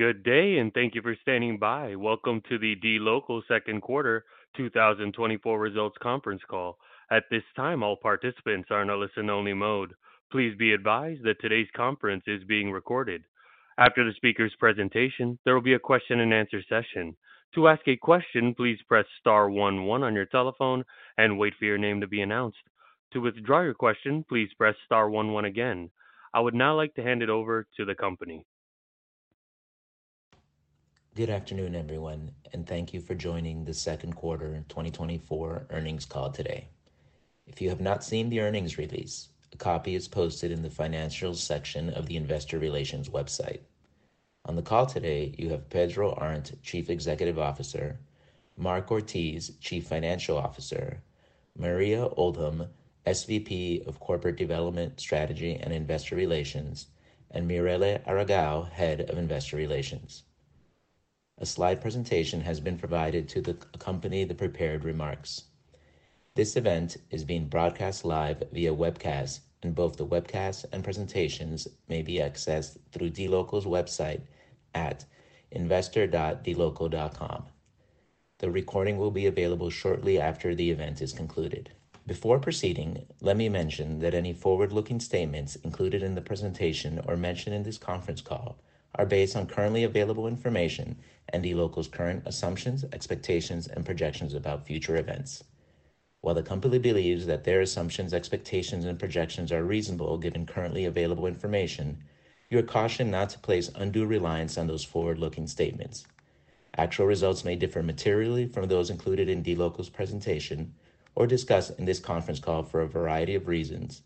Good day, and thank you for standing by. Welcome to the dLocal second quarter 2024 results conference call. At this time, all participants are in a listen-only mode. Please be advised that today's conference is being recorded. After the speaker's presentation, there will be a question-and-answer session. To ask a question, please press star one one on your telephone and wait for your name to be announced. To withdraw your question, please press star one one again. I would now like to hand it over to the company. Good afternoon, everyone, and thank you for joining the second quarter 2024 earnings call today. If you have not seen the earnings release, a copy is posted in the Financial section of the Investor Relations website. On the call today, you have Pedro Arnt, Chief Executive Officer; Mark Ortiz, Chief Financial Officer; Maria Oldham, SVP of Corporate Development, Strategy, and Investor Relations; and Mirele Aragao, Head of Investor Relations. A slide presentation has been provided to accompany the prepared remarks. This event is being broadcast live via webcast, and both the webcast and presentations may be accessed through dLocal's website at investor.dlocal.com. The recording will be available shortly after the event is concluded. Before proceeding, let me mention that any forward-looking statements included in the presentation or mentioned in this conference call are based on currently available information and dLocal's current assumptions, expectations, and projections about future events. While the company believes that their assumptions, expectations, and projections are reasonable given currently available information, you are cautioned not to place undue reliance on those forward-looking statements. Actual results may differ materially from those included in dLocal's presentation or discussed in this conference call for a variety of reasons,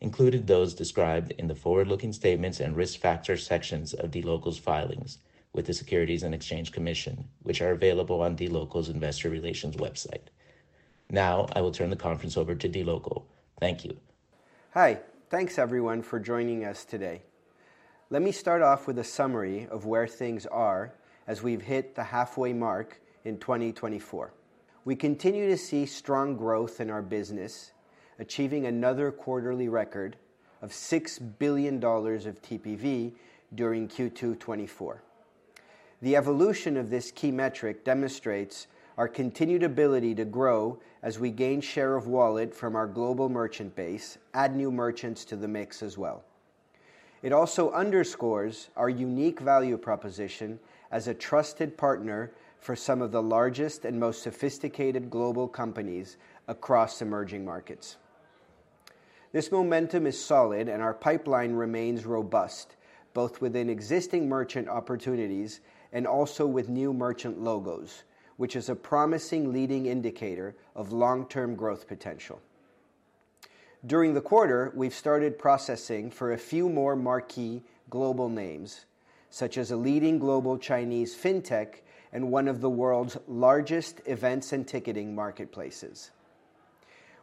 including those described in the Forward-Looking Statements and Risk Factors sections of dLocal's filings with the Securities and Exchange Commission, which are available on dLocal's Investor Relations website. Now, I will turn the conference over to dLocal. Thank you. Hi. Thanks, everyone, for joining us today. Let me start off with a summary of where things are as we've hit the halfway mark in 2024. We continue to see strong growth in our business, achieving another quarterly record of $6 billion of TPV during Q2 2024. The evolution of this key metric demonstrates our continued ability to grow as we gain share of wallet from our global merchant base, add new merchants to the mix as well. It also underscores our unique value proposition as a trusted partner for some of the largest and most sophisticated global companies across emerging markets. This momentum is solid, and our pipeline remains robust, both within existing merchant opportunities and also with new merchant logos, which is a promising leading indicator of long-term growth potential. During the quarter, we've started processing for a few more marquee global names, such as a leading global Chinese fintech and one of the world's largest events and ticketing marketplaces.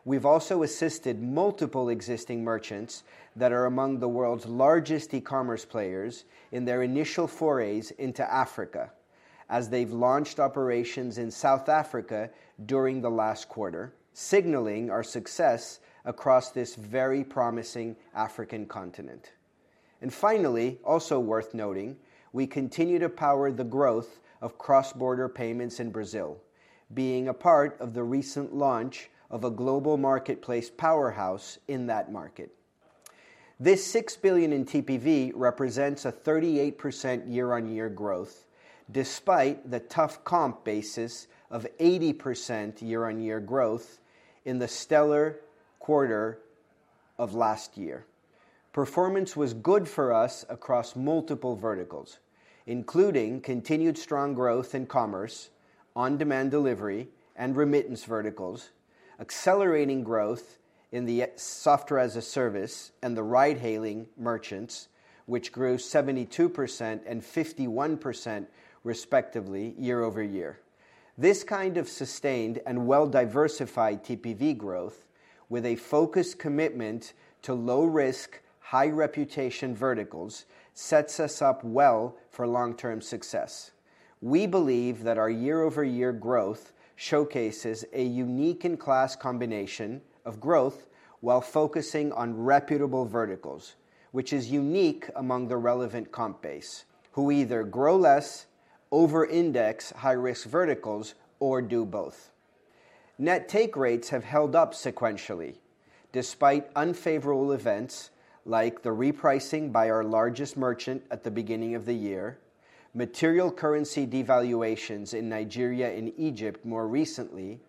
We've also assisted multiple existing merchants that are among the world's largest e-commerce players in their initial forays into Africa as they've launched operations in South Africa during the last quarter, signaling our success across this very promising African continent. Finally, also worth noting, we continue to power the growth of cross-border payments in Brazil, being a part of the recent launch of a global marketplace powerhouse in that market. This $6 billion in TPV represents a 38% year-on-year growth, despite the tough comp basis of 80% year-on-year growth in the stellar quarter of last year. Performance was good for us across multiple verticals, including continued strong growth in commerce, on-demand delivery, and remittance verticals, accelerating growth in the Software as a Service and the ride-hailing merchants, which grew 72% and 51%, respectively, year-over-year. This kind of sustained and well-diversified TPV growth, with a focused commitment to low-risk, high-reputation verticals, sets us up well for long-term success. We believe that our year-over-year growth showcases a unique-in-class combination of growth while focusing on reputable verticals, which is unique among the relevant comp base, who either grow less, over-index high-risk verticals, or do both. Net take rates have held up sequentially, despite unfavorable events like the repricing by our largest merchant at the beginning of the year, material currency devaluations in Nigeria and Egypt more recently,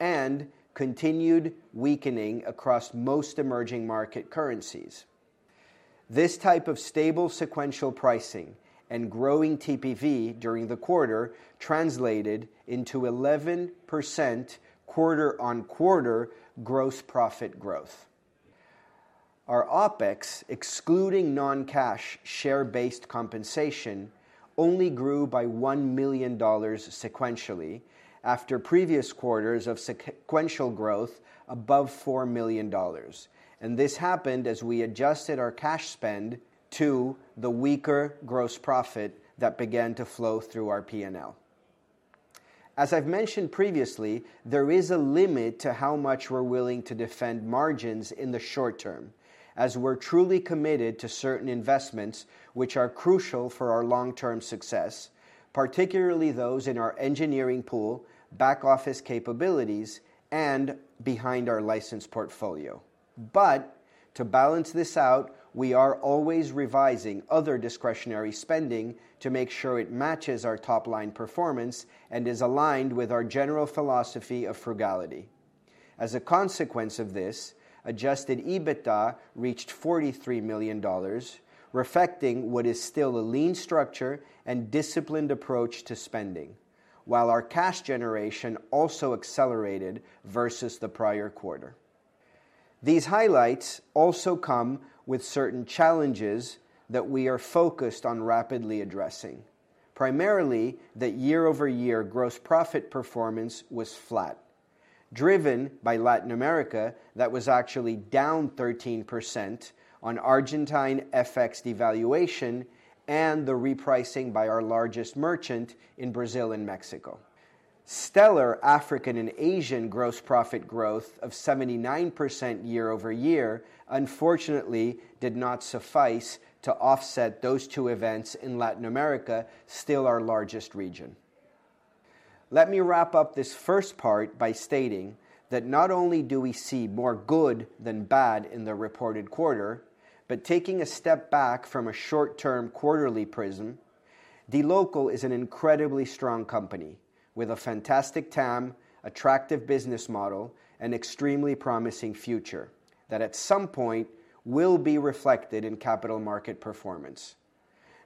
and continued weakening across most emerging market currencies. This type of stable sequential pricing and growing TPV during the quarter translated into 11% quarter-on-quarter gross profit growth. Our OpEx, excluding non-cash share-based compensation, only grew by $1 million sequentially after previous quarters of sequential growth above $4 million, and this happened as we adjusted our cash spend to the weaker gross profit that began to flow through our P&L. As I've mentioned previously, there is a limit to how much we're willing to defend margins in the short term, as we're truly committed to certain investments which are crucial for our long-term success, particularly those in our engineering pool, back-office capabilities, and behind our license portfolio. But to balance this out, we are always revising other discretionary spending to make sure it matches our top-line performance and is aligned with our general philosophy of frugality. As a consequence of this, Adjusted EBITDA reached $43 million, reflecting what is still a lean structure and disciplined approach to spending, while our cash generation also accelerated versus the prior quarter. These highlights also come with certain challenges that we are focused on rapidly addressing. Primarily, that year-over-year gross profit performance was flat, driven by Latin America, that was actually down 13% on Argentine FX devaluation and the repricing by our largest merchant in Brazil and Mexico. Stellar African and Asian gross profit growth of 79% year-over-year, unfortunately, did not suffice to offset those two events in Latin America, still our largest region. Let me wrap up this first part by stating that not only do we see more good than bad in the reported quarter, but taking a step back from a short-term quarterly prism, dLocal is an incredibly strong company with a fantastic TAM, attractive business model, and extremely promising future that at some point will be reflected in capital market performance.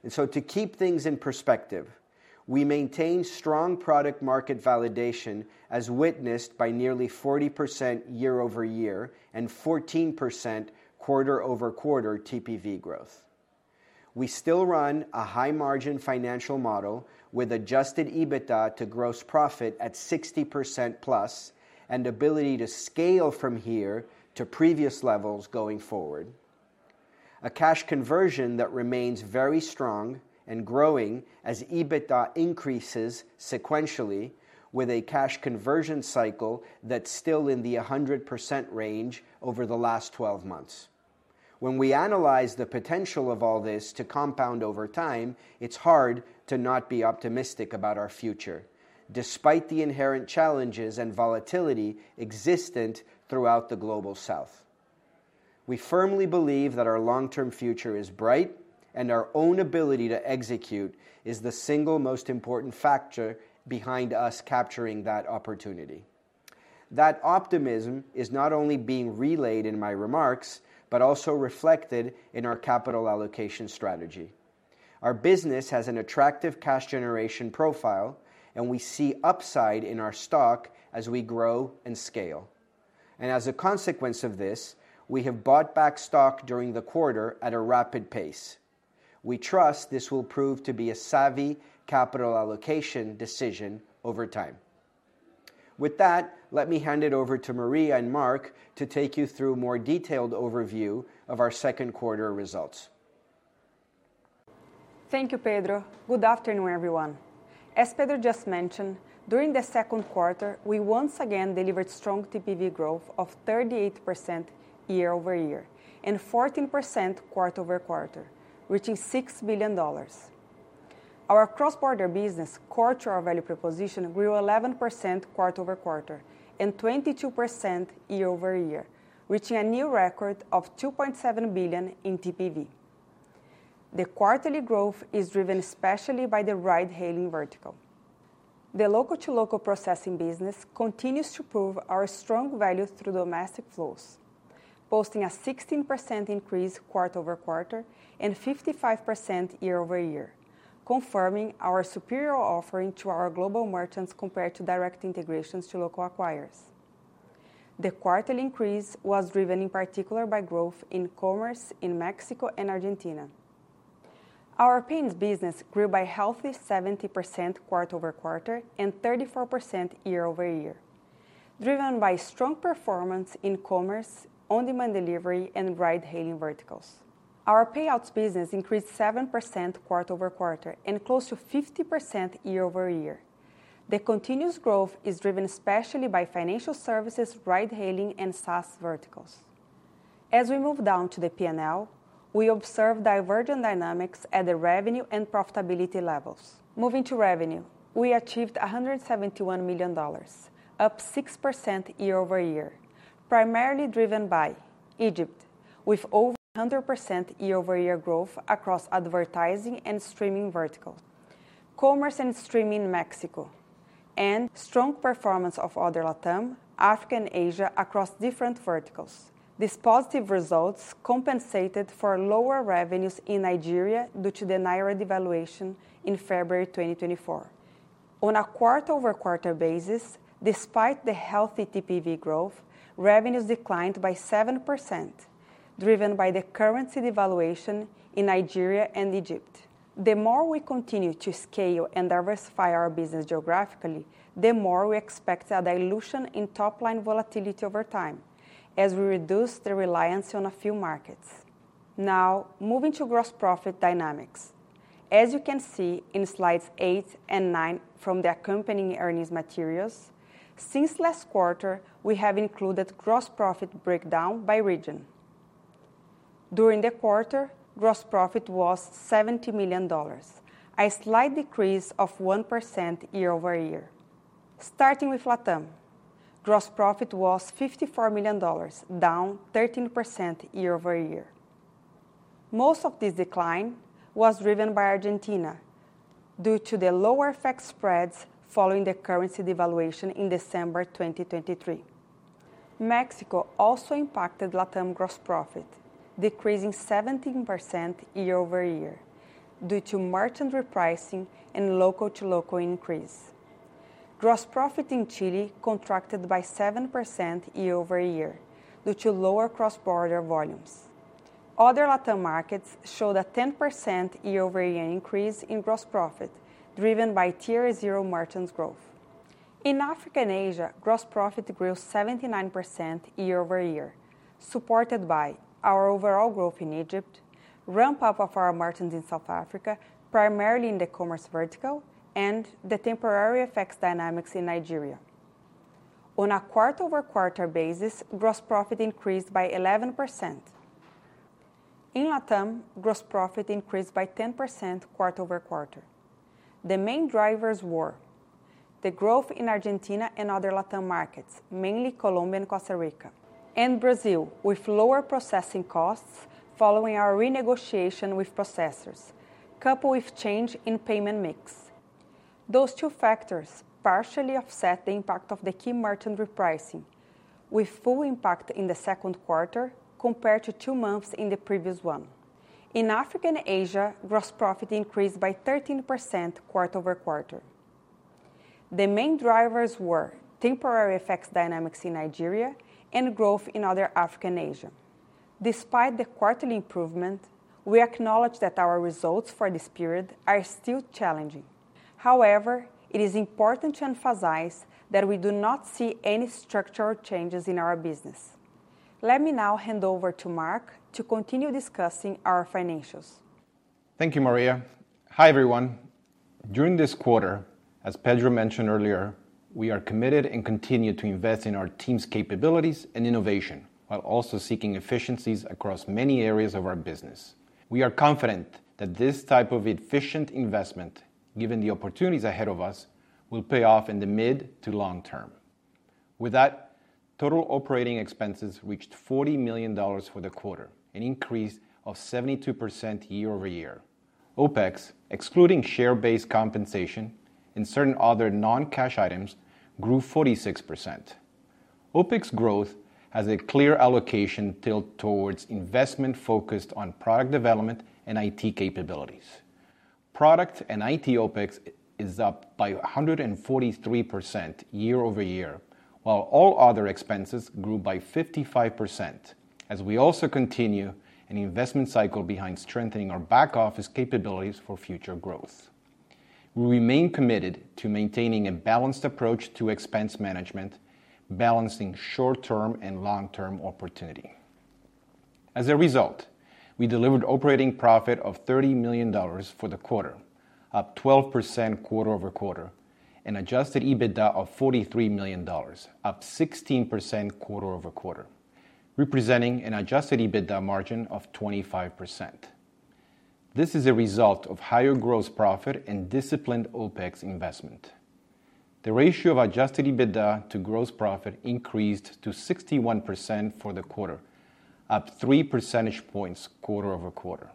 And so to keep things in perspective, we maintain strong product market validation, as witnessed by nearly 40% year-over-year and 14% quarter-over-quarter TPV growth. We still run a high-margin financial model with adjusted EBITDA to gross profit at 60%+ and ability to scale from here to previous levels going forward. A cash conversion that remains very strong and growing as EBITDA increases sequentially, with a cash conversion cycle that's still in the 100% range over the last 12 months. When we analyze the potential of all this to compound over time, it's hard to not be optimistic about our future, despite the inherent challenges and volatility existent throughout the Global South. We firmly believe that our long-term future is bright, and our own ability to execute is the single most important factor behind us capturing that opportunity. That optimism is not only being relayed in my remarks, but also reflected in our capital allocation strategy. Our business has an attractive cash generation profile, and we see upside in our stock as we grow and scale. And as a consequence of this, we have bought back stock during the quarter at a rapid pace. We trust this will prove to be a savvy capital allocation decision over time. With that, let me hand it over to Maria and Mark to take you through a more detailed overview of our second quarter results. Thank you, Pedro. Good afternoon, everyone. As Pedro just mentioned, during the second quarter, we once again delivered strong TPV growth of 38% year-over-year and 14% quarter-over-quarter, reaching $6 billion. Our cross-border business, core to our value proposition, grew 11% quarter-over-quarter and 22% year-over-year, reaching a new record of $2.7 billion in TPV. The quarterly growth is driven especially by the ride-hailing vertical. The local-to-local processing business continues to prove our strong value through domestic flows, posting a 16% increase quarter-over-quarter and 55% year-over-year, confirming our superior offering to our global merchants compared to direct integrations to local acquirers. The quarterly increase was driven in particular by growth in commerce in Mexico and Argentina. Our payments business grew by a healthy 70% quarter-over-quarter and 34% year-over-year, driven by strong performance in commerce, on-demand delivery, and ride-hailing verticals. Our payouts business increased 7% quarter-over-quarter and close to 50% year-over-year. The continuous growth is driven especially by financial services, ride-hailing, and SaaS verticals. As we move down to the P&L, we observe divergent dynamics at the revenue and profitability levels. Moving to revenue, we achieved $171 million, up 6% year-over-year, primarily driven by Egypt, with over 100% year-over-year growth across advertising and streaming vertical, commerce and streaming in Mexico, and strong performance of other LatAm, Africa, and Asia across different verticals. These positive results compensated for lower revenues in Nigeria due to the Naira devaluation in February 2024. On a quarter-over-quarter basis, despite the healthy TPV growth, revenues declined by 7%, driven by the currency devaluation in Nigeria and Egypt. The more we continue to scale and diversify our business geographically, the more we expect a dilution in top-line volatility over time as we reduce the reliance on a few markets. Now, moving to gross profit dynamics. As you can see in slides 8 and 9 from the accompanying earnings materials, since last quarter we have included gross profit breakdown by region. During the quarter, gross profit was $70 million, a slight decrease of 1% year-over-year. Starting with LatAm, gross profit was $54 million, down 13% year-over-year. Most of this decline was driven by Argentina due to the lower FX spreads following the currency devaluation in December 2023. Mexico also impacted LatAm gross profit, decreasing 17% year-over-year due to merchant repricing and local-to-local increase. Gross profit in Chile contracted by 7% year-over-year due to lower cross-border volumes. Other LatAm markets showed a 10% year-over-year increase in gross profit, driven by Tier Zero merchants growth. In Africa and Asia, gross profit grew 79% year-over-year, supported by our overall growth in Egypt, ramp up of our merchants in South Africa, primarily in the commerce vertical, and the temporary FX dynamics in Nigeria. On a quarter-over-quarter basis, gross profit increased by 11%. In LatAm, gross profit increased by 10% quarter-over-quarter. The main drivers were the growth in Argentina and other LatAm markets, mainly Colombia and Costa Rica, and Brazil, with lower processing costs following our renegotiation with processors, coupled with change in payment mix. Those two factors partially offset the impact of the key merchant repricing, with full impact in the second quarter compared to 2 months in the previous one. In Africa and Asia, gross profit increased by 13% quarter-over-quarter. The main drivers were temporary FX dynamics in Nigeria and growth in other Africa and Asia. Despite the quarterly improvement, we acknowledge that our results for this period are still challenging. However, it is important to emphasize that we do not see any structural changes in our business. Let me now hand over to Mark to continue discussing our financials. Thank you, Maria. Hi, everyone. During this quarter, as Pedro mentioned earlier, we are committed and continue to invest in our team's capabilities and innovation, while also seeking efficiencies across many areas of our business. We are confident that this type of efficient investment, given the opportunities ahead of us, will pay off in the mid to long term. With that, total operating expenses reached $40 million for the quarter, an increase of 72% year-over-year. OpEx, excluding share-based compensation and certain other non-cash items, grew 46%. OpEx growth has a clear allocation tilt towards investment focused on product development and IT capabilities. Product and IT OpEx is up by 143% year-over-year, while all other expenses grew by 55%, as we also continue an investment cycle behind strengthening our back office capabilities for future growth. We remain committed to maintaining a balanced approach to expense management, balancing short-term and long-term opportunity. As a result, we delivered operating profit of $30 million for the quarter, up 12% quarter-over-quarter, and adjusted EBITDA of $43 million, up 16% quarter-over-quarter, representing an adjusted EBITDA margin of 25%. This is a result of higher gross profit and disciplined OpEx investment. The ratio of adjusted EBITDA to gross profit increased to 61% for the quarter, up 3 percentage points quarter-over-quarter.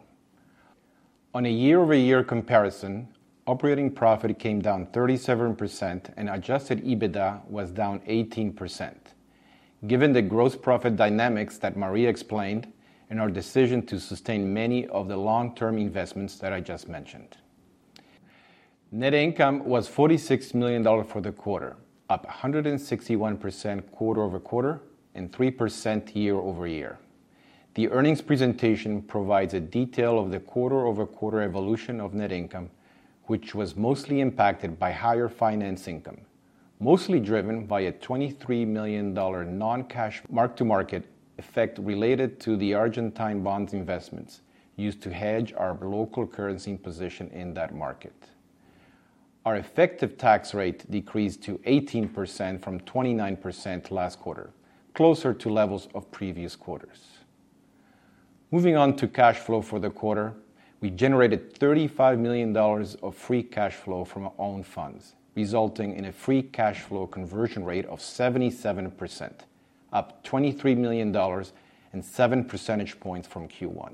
On a year-over-year comparison, operating profit came down 37% and adjusted EBITDA was down 18%, given the gross profit dynamics that Maria explained and our decision to sustain many of the long-term investments that I just mentioned. Net income was $46 million for the quarter, up 161% quarter-over-quarter and 3% year-over-year. The earnings presentation provides a detail of the quarter-over-quarter evolution of net income, which was mostly impacted by higher finance income, mostly driven by a $23 million non-cash mark-to-market effect related to the Argentine bond investments used to hedge our local currency position in that market. Our effective tax rate decreased to 18% from 29% last quarter, closer to levels of previous quarters. Moving on to cash flow for the quarter, we generated $35 million of free cash flow from our own funds, resulting in a free cash flow conversion rate of 77%, up $23 million and seven percentage points from Q1.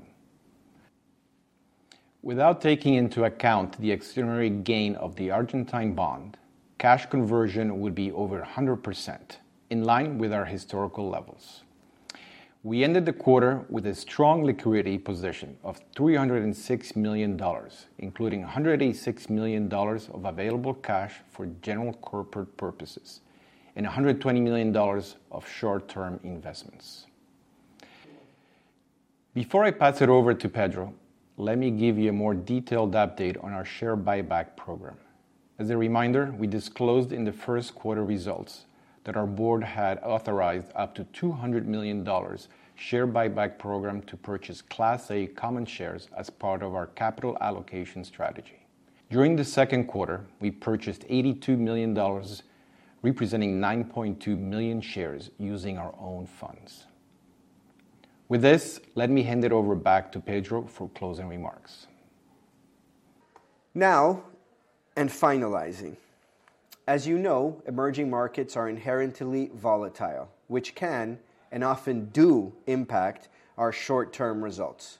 Without taking into account the extraordinary gain of the Argentine bond, cash conversion would be over 100%, in line with our historical levels. We ended the quarter with a strong liquidity position of $306 million, including $186 million of available cash for general corporate purposes and $120 million of short-term investments. Before I pass it over to Pedro, let me give you a more detailed update on our share buyback program. As a reminder, we disclosed in the first quarter results that our board had authorized up to $200 million share buyback program to purchase Class A common shares as part of our capital allocation strategy. During the second quarter, we purchased $82 million, representing 9.2 million shares, using our own funds. With this, let me hand it over back to Pedro for closing remarks. Now, and finalizing. As you know, emerging markets are inherently volatile, which can and often do impact our short-term results.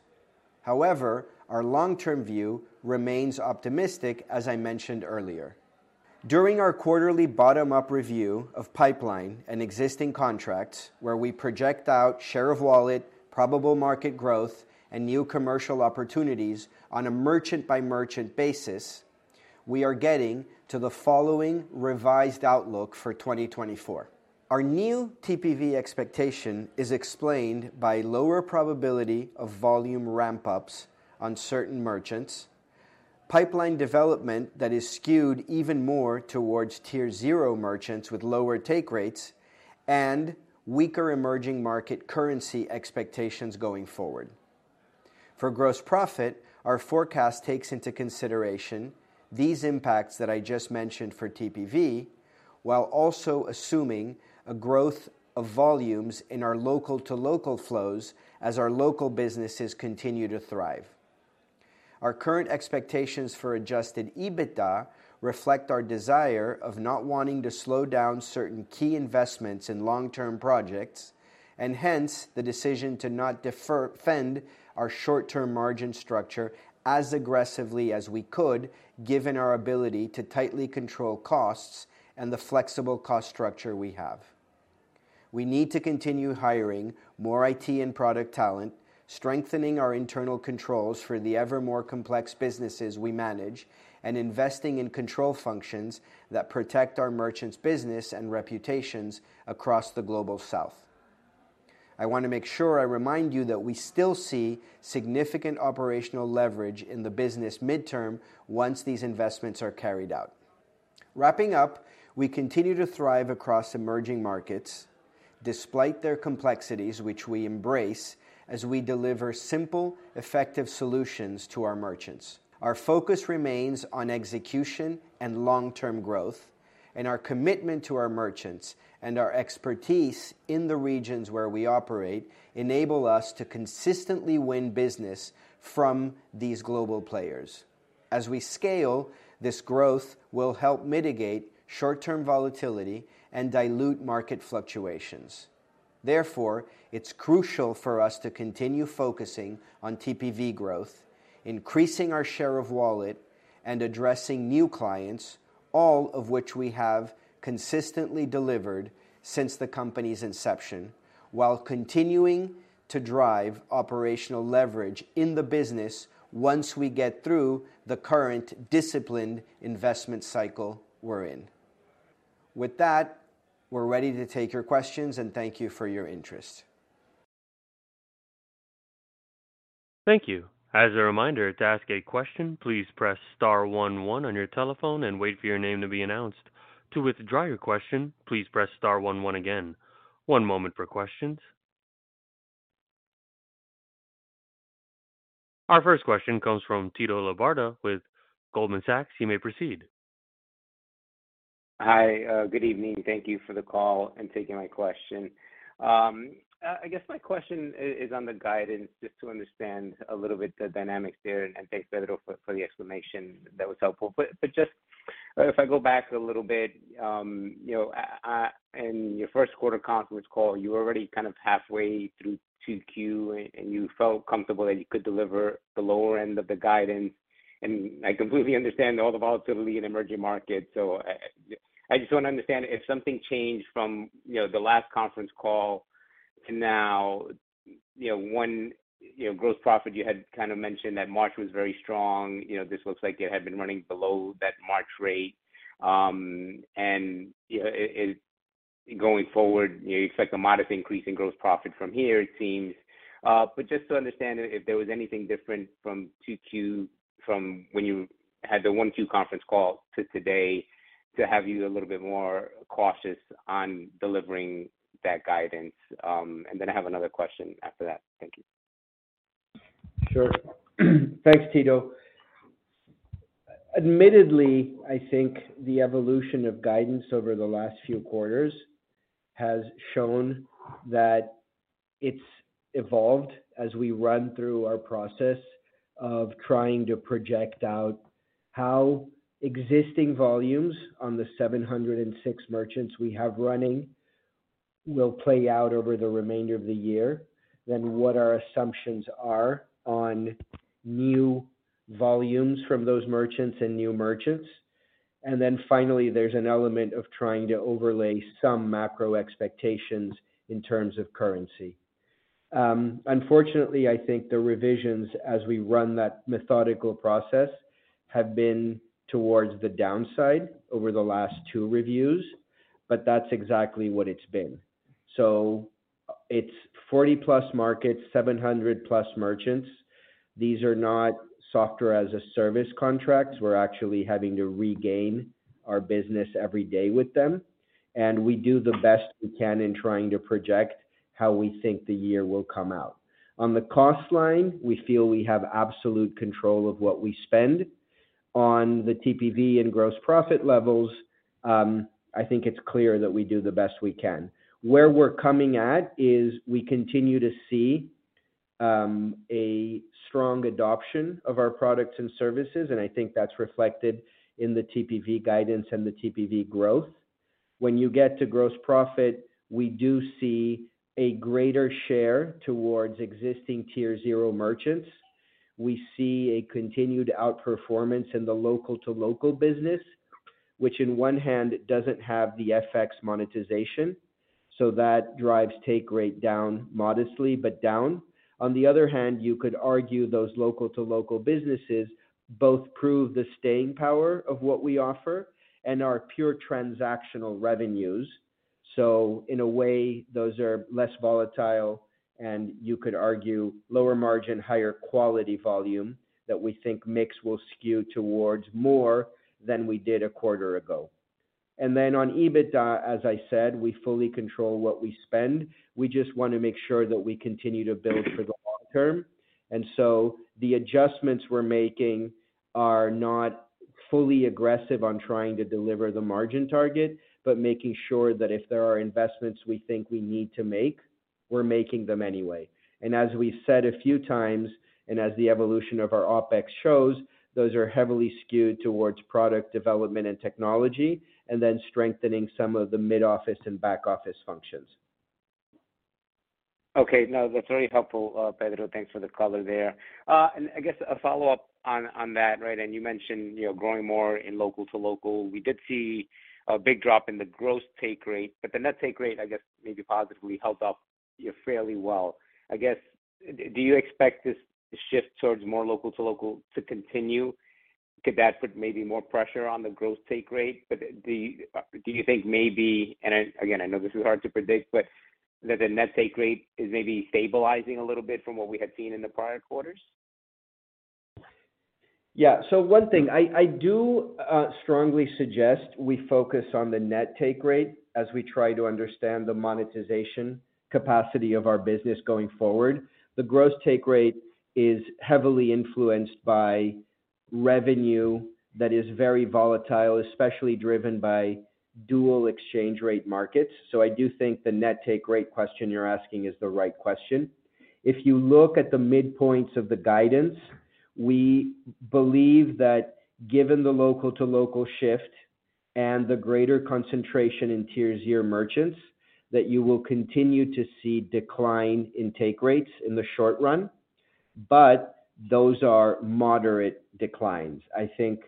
However, our long-term view remains optimistic, as I mentioned earlier. During our quarterly bottom-up review of pipeline and existing contracts, where we project out share of wallet, probable market growth, and new commercial opportunities on a merchant-by-merchant basis, we are getting to the following revised outlook for 2024. Our new TPV expectation is explained by lower probability of volume ramp-ups on certain merchants, pipeline development that is skewed even more towards Tier Zero merchants with lower take rates, and weaker emerging market currency expectations going forward. For gross profit, our forecast takes into consideration these impacts that I just mentioned for TPV, while also assuming a growth of volumes in our local-to-local flows as our local businesses continue to thrive. Our current expectations for Adjusted EBITDA reflect our desire of not wanting to slow down certain key investments in long-term projects, and hence, the decision to not defend our short-term margin structure as aggressively as we could, given our ability to tightly control costs and the flexible cost structure we have. We need to continue hiring more IT and product talent, strengthening our internal controls for the ever more complex businesses we manage, and investing in control functions that protect our merchants' business and reputations across the Global South. I want to make sure I remind you that we still see significant operational leverage in the business midterm once these investments are carried out. Wrapping up, we continue to thrive across emerging markets despite their complexities, which we embrace as we deliver simple, effective solutions to our merchants. Our focus remains on execution and long-term growth, and our commitment to our merchants and our expertise in the regions where we operate enable us to consistently win business from these global players. As we scale, this growth will help mitigate short-term volatility and dilute market fluctuations. Therefore, it's crucial for us to continue focusing on TPV growth, increasing our share of wallet, and addressing new clients, all of which we have consistently delivered since the company's inception, while continuing to drive operational leverage in the business once we get through the current disciplined investment cycle we're in. With that, we're ready to take your questions, and thank you for your interest. Thank you. As a reminder, to ask a question, please press star one one on your telephone and wait for your name to be announced. To withdraw your question, please press star one one again. One moment for questions. Our first question comes from Tito Labarta with Goldman Sachs. You may proceed. Hi, good evening. Thank you for the call and taking my question. I guess my question is on the guidance, just to understand a little bit the dynamics there, and thanks, Pedro, for the explanation. That was helpful. But just if I go back a little bit, you know, in your first quarter conference call, you were already kind of halfway through 2Q, and you felt comfortable that you could deliver the lower end of the guidance. And I completely understand all the volatility in emerging markets, so I just want to understand if something changed from, you know, the last conference call to now. You know, gross profit, you had kind of mentioned that March was very strong. You know, this looks like it had been running below that March rate. And, you know, going forward, you expect a modest increase in gross profit from here, it seems. But just to understand if there was anything different from 2Q, from when you had the 1Q conference call to today, to have you a little bit more cautious on delivering that guidance. And then I have another question after that. Thank you. Sure. Thanks, Tito. Admittedly, I think the evolution of guidance over the last few quarters has shown that it's evolved as we run through our process of trying to project out how existing volumes on the 706 merchants we have running will play out over the remainder of the year, then what our assumptions are on new volumes from those merchants and new merchants. And then finally, there's an element of trying to overlay some macro expectations in terms of currency. Unfortunately, I think the revisions, as we run that methodical process, have been towards the downside over the last two reviews, but that's exactly what it's been. So it's 40+ markets, 700+ merchants. These are not software-as-a-service contracts. We're actually having to regain our business every day with them, and we do the best we can in trying to project how we think the year will come out. On the cost line, we feel we have absolute control of what we spend. On the TPV and gross profit levels, I think it's clear that we do the best we can. Where we're coming at is we continue to see, a strong adoption of our products and services, and I think that's reflected in the TPV guidance and the TPV growth. When you get to gross profit, we do see a greater share towards existing Tier Zero merchants. We see a continued outperformance in the local-to-local business, which on one hand doesn't have the FX monetization, so that drives take rate down modestly, but down. On the other hand, you could argue those local-to-local businesses both prove the staying power of what we offer and are pure transactional revenues. So in a way, those are less volatile, and you could argue lower margin, higher quality volume that we think mix will skew towards more than we did a quarter ago. And then on EBITDA, as I said, we fully control what we spend. We just wanna make sure that we continue to build for the long term. And so the adjustments we're making are not fully aggressive on trying to deliver the margin target, but making sure that if there are investments we think we need to make, we're making them anyway. As we've said a few times, and as the evolution of our OpEx shows, those are heavily skewed towards product development and technology, and then strengthening some of the mid-office and back-office functions. Okay. No, that's very helpful, Pedro. Thanks for the color there. And I guess a follow-up on that, right, and you mentioned, you know, growing more in local-to-local. We did see a big drop in the gross take rate, but the net take rate, I guess, maybe positively held up, you know, fairly well. I guess, do you expect this shift towards more local-to-local to continue? Could that put maybe more pressure on the gross take rate? But do you do you think maybe, and I, again, I know this is hard to predict, but that the net take rate is maybe stabilizing a little bit from what we had seen in the prior quarters? Yeah. So one thing, I do strongly suggest we focus on the net take rate as we try to understand the monetization capacity of our business going forward. The gross take rate is heavily influenced by revenue that is very volatile, especially driven by dual exchange rate markets. So I do think the net take rate question you're asking is the right question. If you look at the midpoints of the guidance, we believe that given the local-to-local shift and the greater concentration in Tier Zero merchants, that you will continue to see decline in take rates in the short run, but those are moderate declines. I think,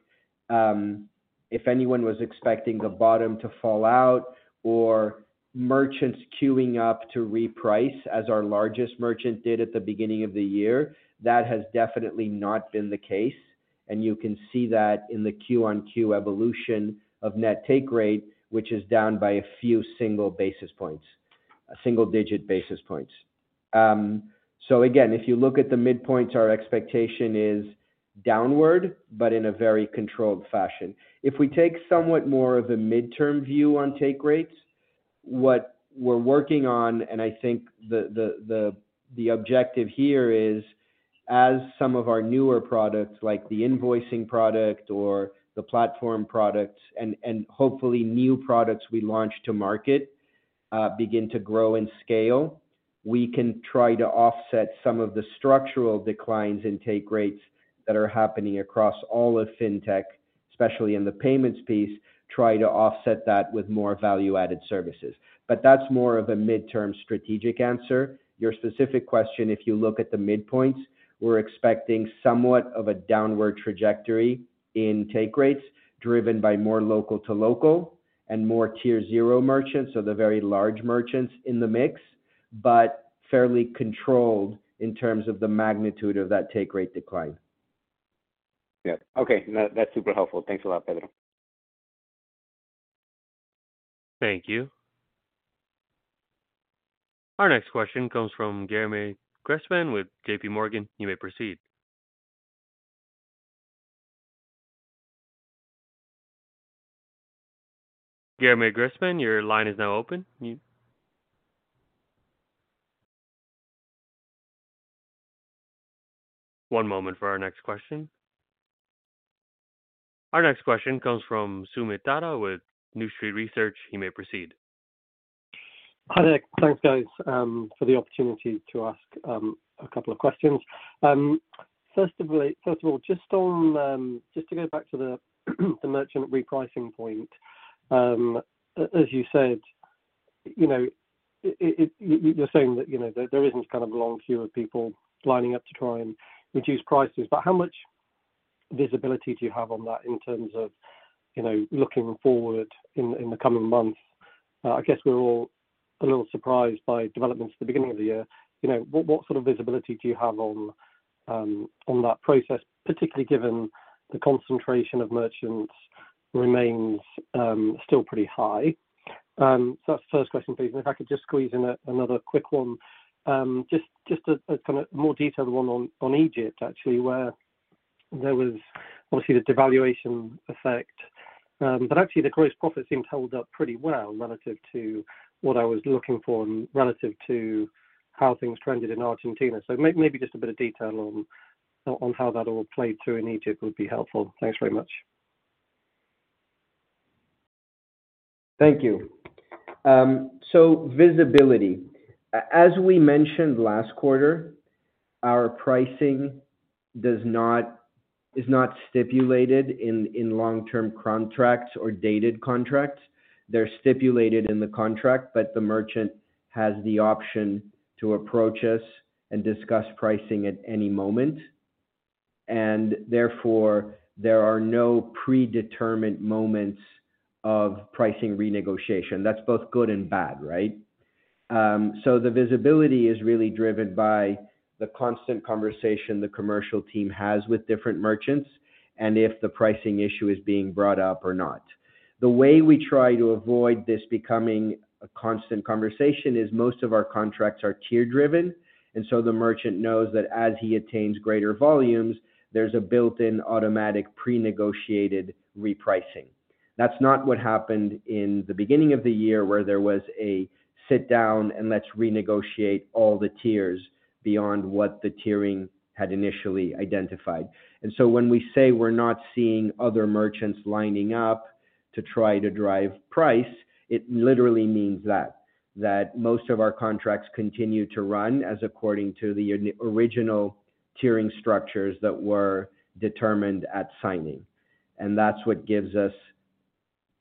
if anyone was expecting the bottom to fall out or merchants queuing up to reprice, as our largest merchant did at the beginning of the year, that has definitely not been the case, and you can see that in the Q-on-Q evolution of net take rate, which is down by a few single basis points, a single digit basis points. So again, if you look at the midpoints, our expectation is downward, but in a very controlled fashion. If we take somewhat more of a midterm view on take rates, what we're working on, and I think the objective here is, as some of our newer products, like the invoicing product or the platform products and, and hopefully new products we launch to market, begin to grow and scale, we can try to offset some of the structural declines in take rates that are happening across all of fintech, especially in the payments piece, try to offset that with more value-added services. But that's more of a midterm strategic answer. Your specific question, if you look at the midpoints, we're expecting somewhat of a downward trajectory in take rates, driven by more local-to-local and more Tier Zero merchants, so the very large merchants in the mix, but fairly controlled in terms of the magnitude of that take rate decline. Yeah. Okay. That, that's super helpful. Thanks a lot, Pedro. Thank you. Our next question comes from Guilherme Grespan with JPMorgan. You may proceed. Guilherme Grespan, your line is now open. One moment for our next question. Our next question comes from Soomit Datta with New Street Research. He may proceed. Hi there. Thanks, guys, for the opportunity to ask a couple of questions. First of all, just on just to go back to the merchant repricing point. As you said, you know, you're saying that, you know, there isn't kind of a long queue of people lining up to try and reduce prices. But how much visibility do you have on that in terms of, you know, looking forward in the coming months? I guess we're all a little surprised by developments at the beginning of the year. You know, what sort of visibility do you have on that process, particularly given the concentration of merchants remains still pretty high. So that's the first question, please. If I could just squeeze in another quick one, just a kind of more detailed one on Egypt, actually, where there was obviously the devaluation effect. But actually the gross profit seemed to hold up pretty well relative to what I was looking for and relative to how things trended in Argentina. So maybe just a bit of detail on how that all played through in Egypt would be helpful. Thanks very much. Thank you. So visibility. As we mentioned last quarter, our pricing is not stipulated in long-term contracts or dated contracts. They're stipulated in the contract, but the merchant has the option to approach us and discuss pricing at any moment, and therefore, there are no predetermined moments of pricing renegotiation. That's both good and bad, right? So the visibility is really driven by the constant conversation the commercial team has with different merchants and if the pricing issue is being brought up or not. The way we try to avoid this becoming a constant conversation is most of our contracts are tier driven, and so the merchant knows that as he attains greater volumes, there's a built-in automatic pre-negotiated repricing. That's not what happened in the beginning of the year, where there was a sit down and let's renegotiate all the tiers beyond what the tiering had initially identified. And so when we say we're not seeing other merchants lining up to try to drive price, it literally means that, that most of our contracts continue to run as according to the original tiering structures that were determined at signing. And that's what gives us,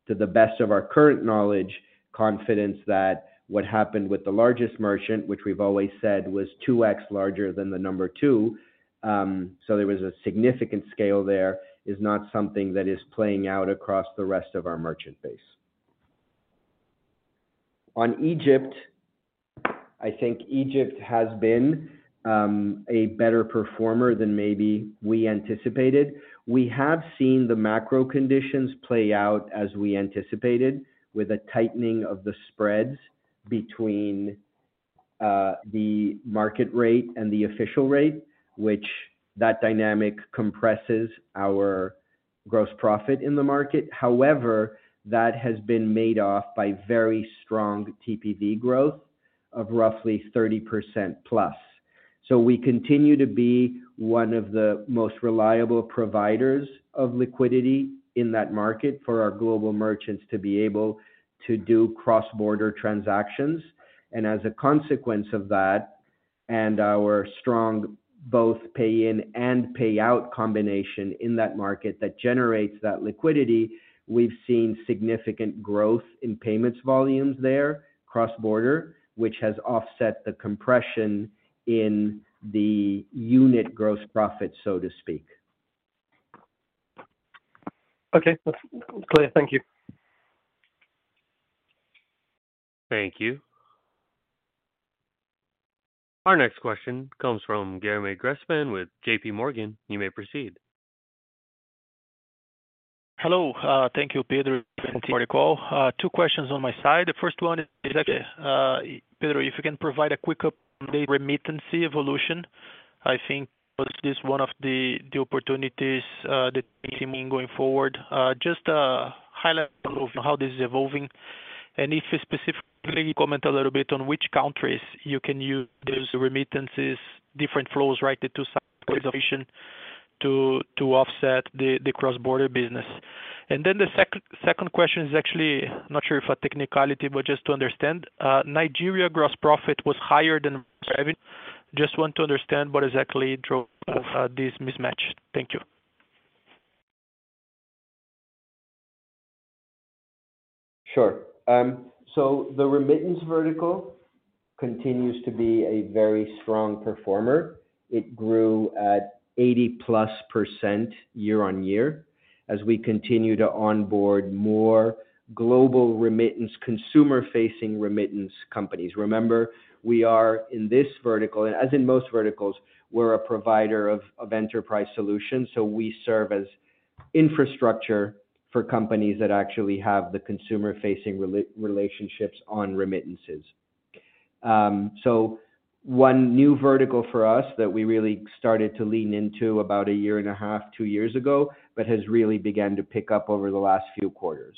to the best of our current knowledge, confidence that what happened with the largest merchant, which we've always said was 2x larger than the number two, so there was a significant scale there, is not something that is playing out across the rest of our merchant base. On Egypt, I think Egypt has been a better performer than maybe we anticipated. We have seen the macro conditions play out as we anticipated, with a tightening of the spreads between the market rate and the official rate, which that dynamic compresses our gross profit in the market. However, that has been made off by very strong TPV growth of roughly 30%+. So we continue to be one of the most reliable providers of liquidity in that market for our global merchants to be able to do cross-border transactions. And as a consequence of that, and our strong both pay in and payout combination in that market that generates that liquidity, we've seen significant growth in payments volumes there, cross-border, which has offset the compression in the unit gross profit, so to speak. Okay, that's clear. Thank you. Thank you. Our next question comes from Guilherme Grespan with JPMorgan. You may proceed. Hello, thank you, Pedro, for the call. Two questions on my side. The first one is actually, Pedro, if you can provide a quick update, remittance evolution, I think this is one of the opportunities that you see me going forward. Just a highlight of how this is evolving, and if you specifically comment a little bit on which countries you can use those remittances, different flows, right, to offset the cross-border business. And then the second question is actually, not sure if a technicality, but just to understand, Nigeria gross profit was higher than revenue. Just want to understand what exactly drove this mismatch. Thank you. Sure. So the remittance vertical continues to be a very strong performer. It grew at 80%+ year-on-year as we continue to onboard more global remittance, consumer-facing remittance companies. Remember, we are in this vertical, as in most verticals, we're a provider of enterprise solutions, so we serve as infrastructure for companies that actually have the consumer-facing relationships on remittances. So one new vertical for us that we really started to lean into about a year and a half, two years ago, but has really began to pick up over the last few quarters.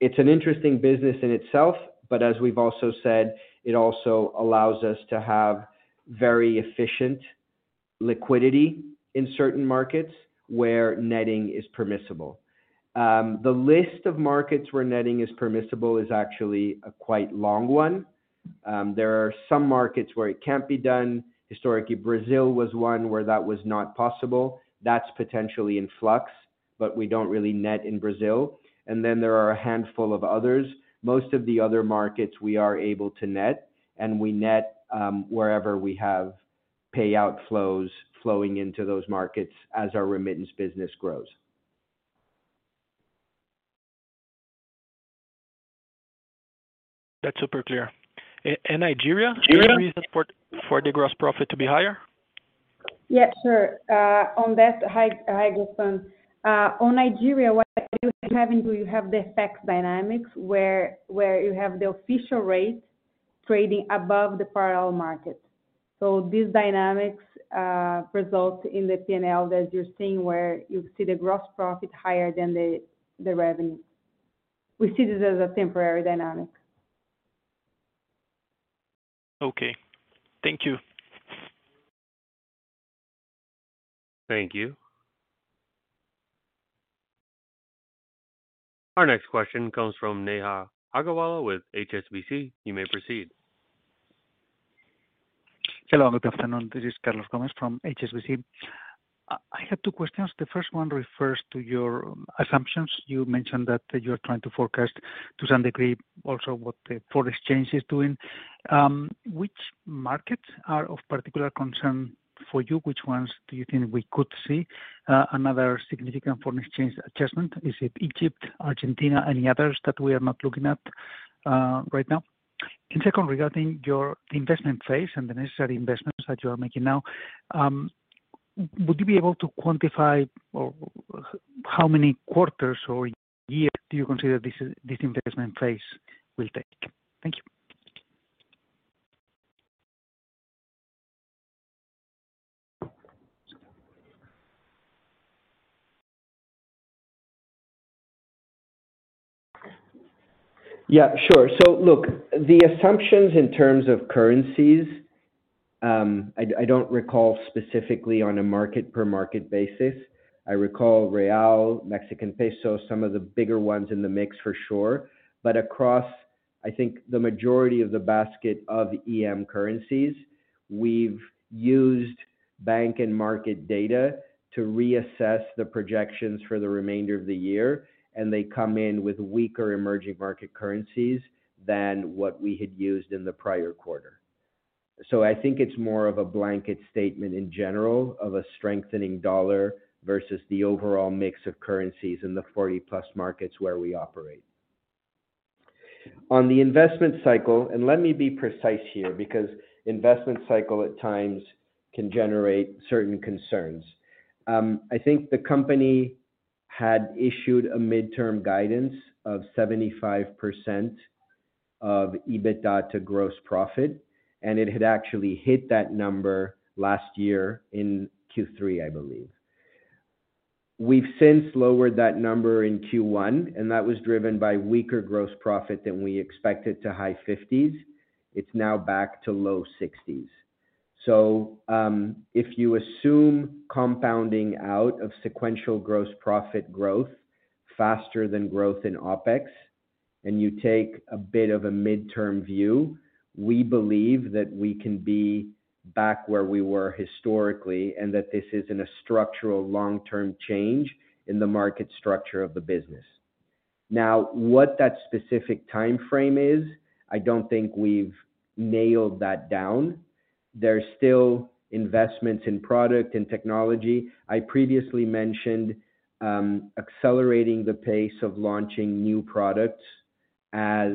It's an interesting business in itself, but as we've also said, it also allows us to have very efficient liquidity in certain markets where netting is permissible. The list of markets where netting is permissible is actually a quite long one. There are some markets where it can't be done. Historically, Brazil was one where that was not possible. That's potentially in flux, but we don't really net in Brazil. Then there are a handful of others. Most of the other markets we are able to net, and we net wherever we have payout flows flowing into those markets as our remittance business grows. That's super clear. And Nigeria? Any reason for the gross profit to be higher? Yeah, sure. On that, hi, Grespan. On Nigeria, what you have in, you have the FX dynamics, where you have the official rate trading above the parallel market. So these dynamics result in the P&L that you're seeing, where you see the gross profit higher than the revenue. We see this as a temporary dynamic. Okay, thank you. Thank you. Our next question comes from Neha Agarwala with HSBC. You may proceed. Hello, good afternoon. This is Carlos Gomez-Lopez from HSBC. I have two questions. The first one refers to your assumptions. You mentioned that you are trying to forecast, to some degree, also what the foreign exchange is doing. Which markets are of particular concern for you? Which ones do you think we could see another significant foreign exchange adjustment? Is it Egypt, Argentina, any others that we are not looking at right now? And second, regarding your investment phase and the necessary investments that you are making now, would you be able to quantify or how many quarters or years do you consider this, this investment phase will take? Thank you. Yeah, sure. So look, the assumptions in terms of currencies, I don't recall specifically on a market per market basis. I recall Real, Mexican Peso, some of the bigger ones in the mix for sure. But across, I think, the majority of the basket of EM currencies, we've used bank and market data to reassess the projections for the remainder of the year, and they come in with weaker emerging market currencies than what we had used in the prior quarter. So I think it's more of a blanket statement in general of a strengthening dollar versus the overall mix of currencies in the 40+ markets where we operate. On the investment cycle, and let me be precise here, because investment cycle, at times, can generate certain concerns. I think the company had issued a midterm guidance of 75% of EBITDA to gross profit, and it had actually hit that number last year in Q3, I believe. We've since lowered that number in Q1, and that was driven by weaker gross profit than we expected to high 50s. It's now back to low 60s. So, if you assume compounding out of sequential gross profit growth faster than growth in OpEx, and you take a bit of a midterm view, we believe that we can be back where we were historically, and that this isn't a structural long-term change in the market structure of the business. Now, what that specific timeframe is, I don't think we've nailed that down. There are still investments in product and technology. I previously mentioned, accelerating the pace of launching new products as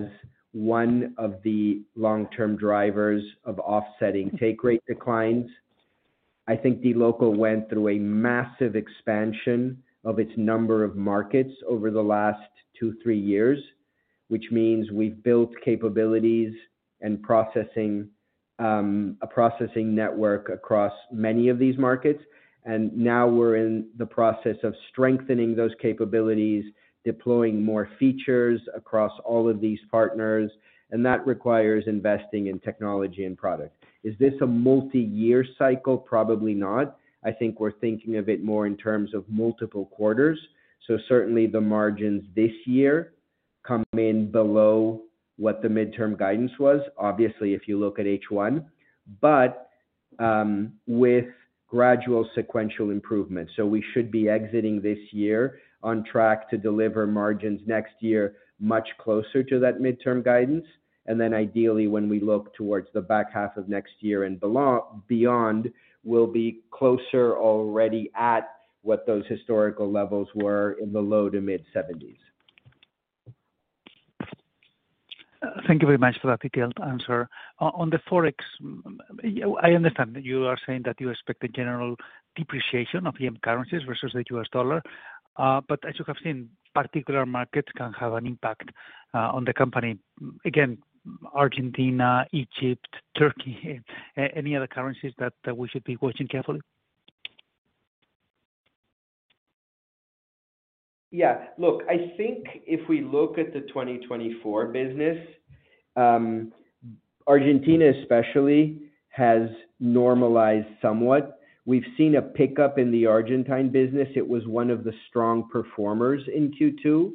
one of the long-term drivers of offsetting take rate declines. I think dLocal went through a massive expansion of its number of markets over the last two, three years, which means we've built capabilities and processing, a processing network across many of these markets. And now we're in the process of strengthening those capabilities, deploying more features across all of these partners, and that requires investing in technology and product. Is this a multi-year cycle? Probably not. I think we're thinking of it more in terms of multiple quarters. So certainly the margins this year come in below what the midterm guidance was. Obviously, if you look at H1. But, with gradual sequential improvement, so we should be exiting this year on track to deliver margins next year, much closer to that midterm guidance. And then, ideally, when we look towards the back half of next year and beyond, we'll be closer already at what those historical levels were in the low to mid-70s. Thank you very much for that detailed answer. On the Forex, I understand that you are saying that you expect a general depreciation of EM currencies versus the U.S. dollar, but as you have seen, particular markets can have an impact on the company. Again, Argentina, Egypt, Turkey, any other currencies that we should be watching carefully? Yeah. Look, I think if we look at the 2024 business, Argentina especially, has normalized somewhat. We've seen a pickup in the Argentine business. It was one of the strong performers in Q2.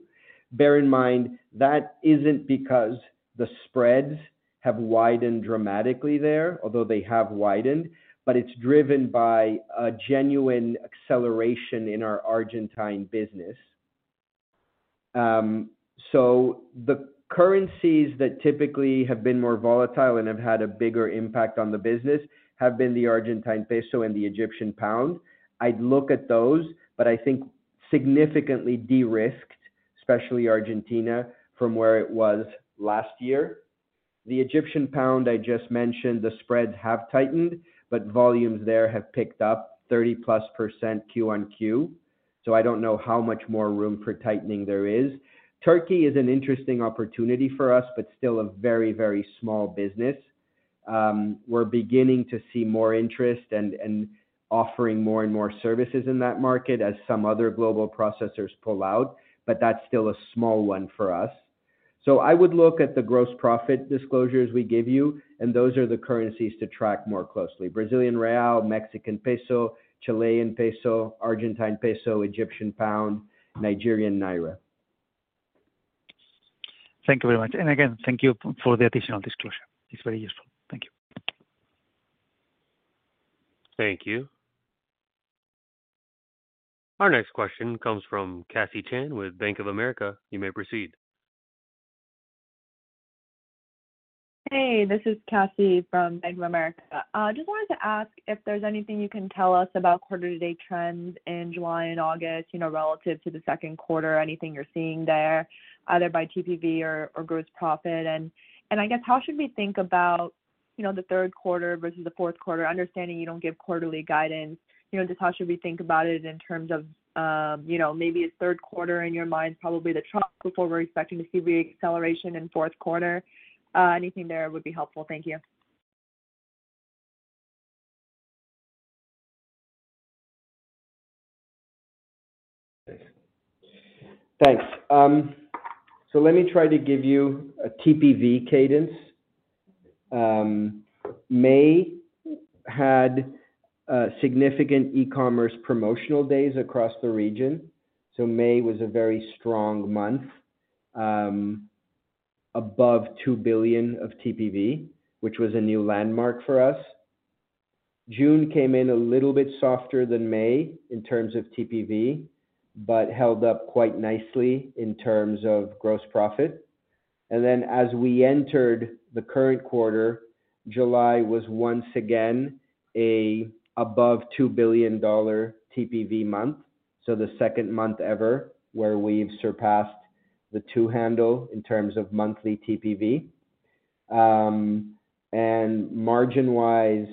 Bear in mind, that isn't because the spreads have widened dramatically there, although they have widened, but it's driven by a genuine acceleration in our Argentine business. So the currencies that typically have been more volatile and have had a bigger impact on the business, have been the Argentine peso and the Egyptian pound. I'd look at those, but significantly de-risked, especially Argentina, from where it was last year. The Egyptian pound, I just mentioned, the spreads have tightened, but volumes there have picked up 30%+ Q-on-Q. So I don't know how much more room for tightening there is. Turkey is an interesting opportunity for us, but still a very, very small business. We're beginning to see more interest and offering more and more services in that market as some other global processors pull out, but that's still a small one for us. So I would look at the gross profit disclosures we give you, and those are the currencies to track more closely. Brazilian Real, Mexican Peso, Chilean Peso, Argentine Peso, Egyptian Pound, Nigerian Naira. Thank you very much. And again, thank you for the additional disclosure. It's very useful. Thank you. Thank you. Our next question comes from Cassie Chan with Bank of America. You may proceed. Hey, this is Cassie from Bank of America. Just wanted to ask if there's anything you can tell us about quarter-to-date trends in July and August, you know, relative to the second quarter, anything you're seeing there, either by TPV or gross profit? And I guess, how should we think about, you know, the third quarter versus the fourth quarter? Understanding you don't give quarterly guidance, you know, just how should we think about it in terms of, you know, maybe a third quarter in your mind, probably the trough before we're expecting to see the acceleration in fourth quarter. Anything there would be helpful. Thank you. Thanks. So let me try to give you a TPV cadence. May had significant e-commerce promotional days across the region, so May was a very strong month, above $2 billion of TPV, which was a new landmark for us. June came in a little bit softer than May in terms of TPV, but held up quite nicely in terms of gross profit. And then as we entered the current quarter, July was once again above $2 billion TPV month. So the second month ever, where we've surpassed the 2 handle in terms of monthly TPV. And margin-wise,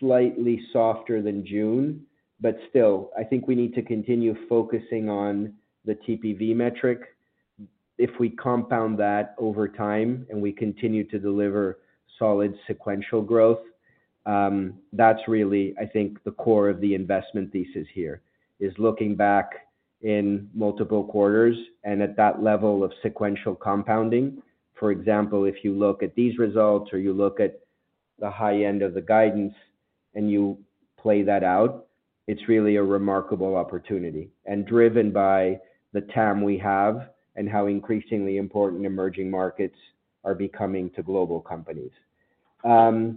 slightly softer than June, but still, I think we need to continue focusing on the TPV metric. If we compound that over time, and we continue to deliver solid sequential growth, that's really, I think, the core of the investment thesis here, is looking back in multiple quarters and at that level of sequential compounding. For example, if you look at these results or you look at the high end of the guidance and you play that out, it's really a remarkable opportunity, and driven by the TAM we have and how increasingly important emerging markets are becoming to global companies. So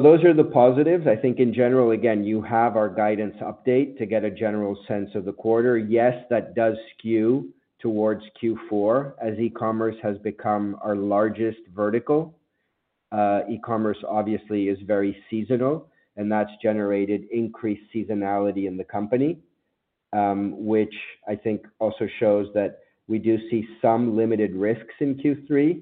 those are the positives. I think in general, again, you have our guidance update to get a general sense of the quarter. Yes, that does skew towards Q4, as e-commerce has become our largest vertical. E-commerce obviously is very seasonal, and that's generated increased seasonality in the company, which I think also shows that we do see some limited risks in Q3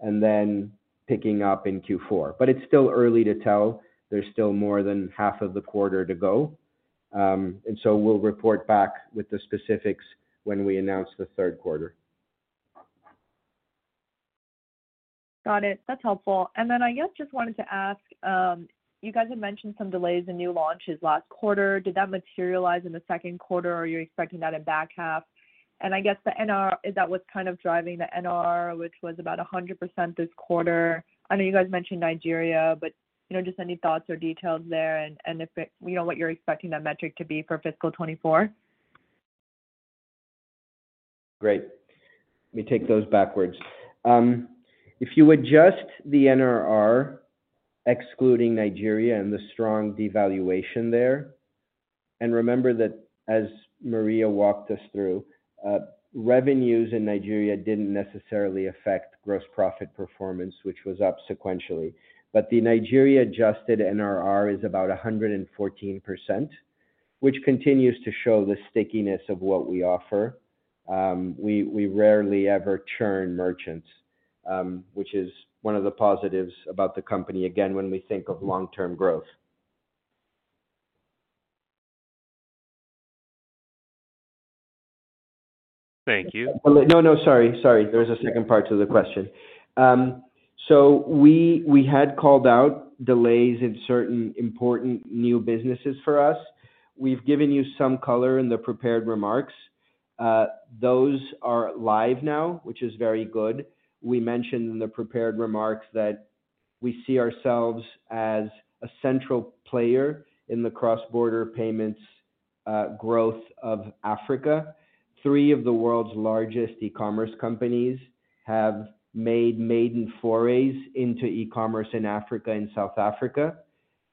and then picking up in Q4. But it's still early to tell. There's still more than half of the quarter to go. And so we'll report back with the specifics when we announce the third quarter. Got it. That's helpful. And then I guess just wanted to ask, you guys had mentioned some delays in new launches last quarter. Did that materialize in the second quarter, or are you expecting that in back half? And I guess the NRR, that was kind of driving the NRR, which was about 100% this quarter. I know you guys mentioned Nigeria, but, you know, just any thoughts or details there and, and if it-- you know, what you're expecting that metric to be for fiscal 2024? Great. Let me take those backwards. If you adjust the NRR, excluding Nigeria and the strong devaluation there, and remember that as Maria walked us through, revenues in Nigeria didn't necessarily affect gross profit performance, which was up sequentially. But the Nigeria adjusted NRR is about 114%, which continues to show the stickiness of what we offer. We, we rarely ever churn merchants, which is one of the positives about the company, again, when we think of long-term growth. Thank you. No, no, sorry, sorry. There was a second part to the question. So we, we had called out delays in certain important new businesses for us. We've given you some color in the prepared remarks. Those are live now, which is very good. We mentioned in the prepared remarks that we see ourselves as a central player in the cross-border payments growth of Africa. Three of the world's largest e-commerce companies have made maiden forays into e-commerce in Africa and South Africa,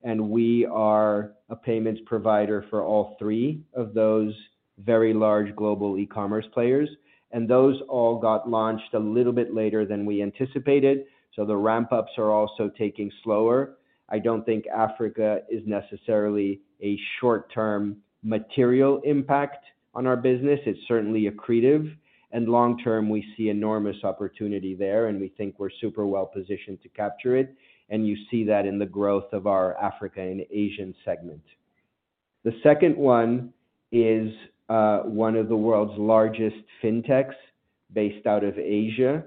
and we are a payments provider for all three of those very large global e-commerce players, and those all got launched a little bit later than we anticipated, so the ramp-ups are also taking slower. I don't think Africa is necessarily a short-term material impact on our business. It's certainly accretive, and long term, we see enormous opportunity there, and we think we're super well positioned to capture it. And you see that in the growth of our African and Asian segment. The second one is one of the world's largest fintechs based out of Asia,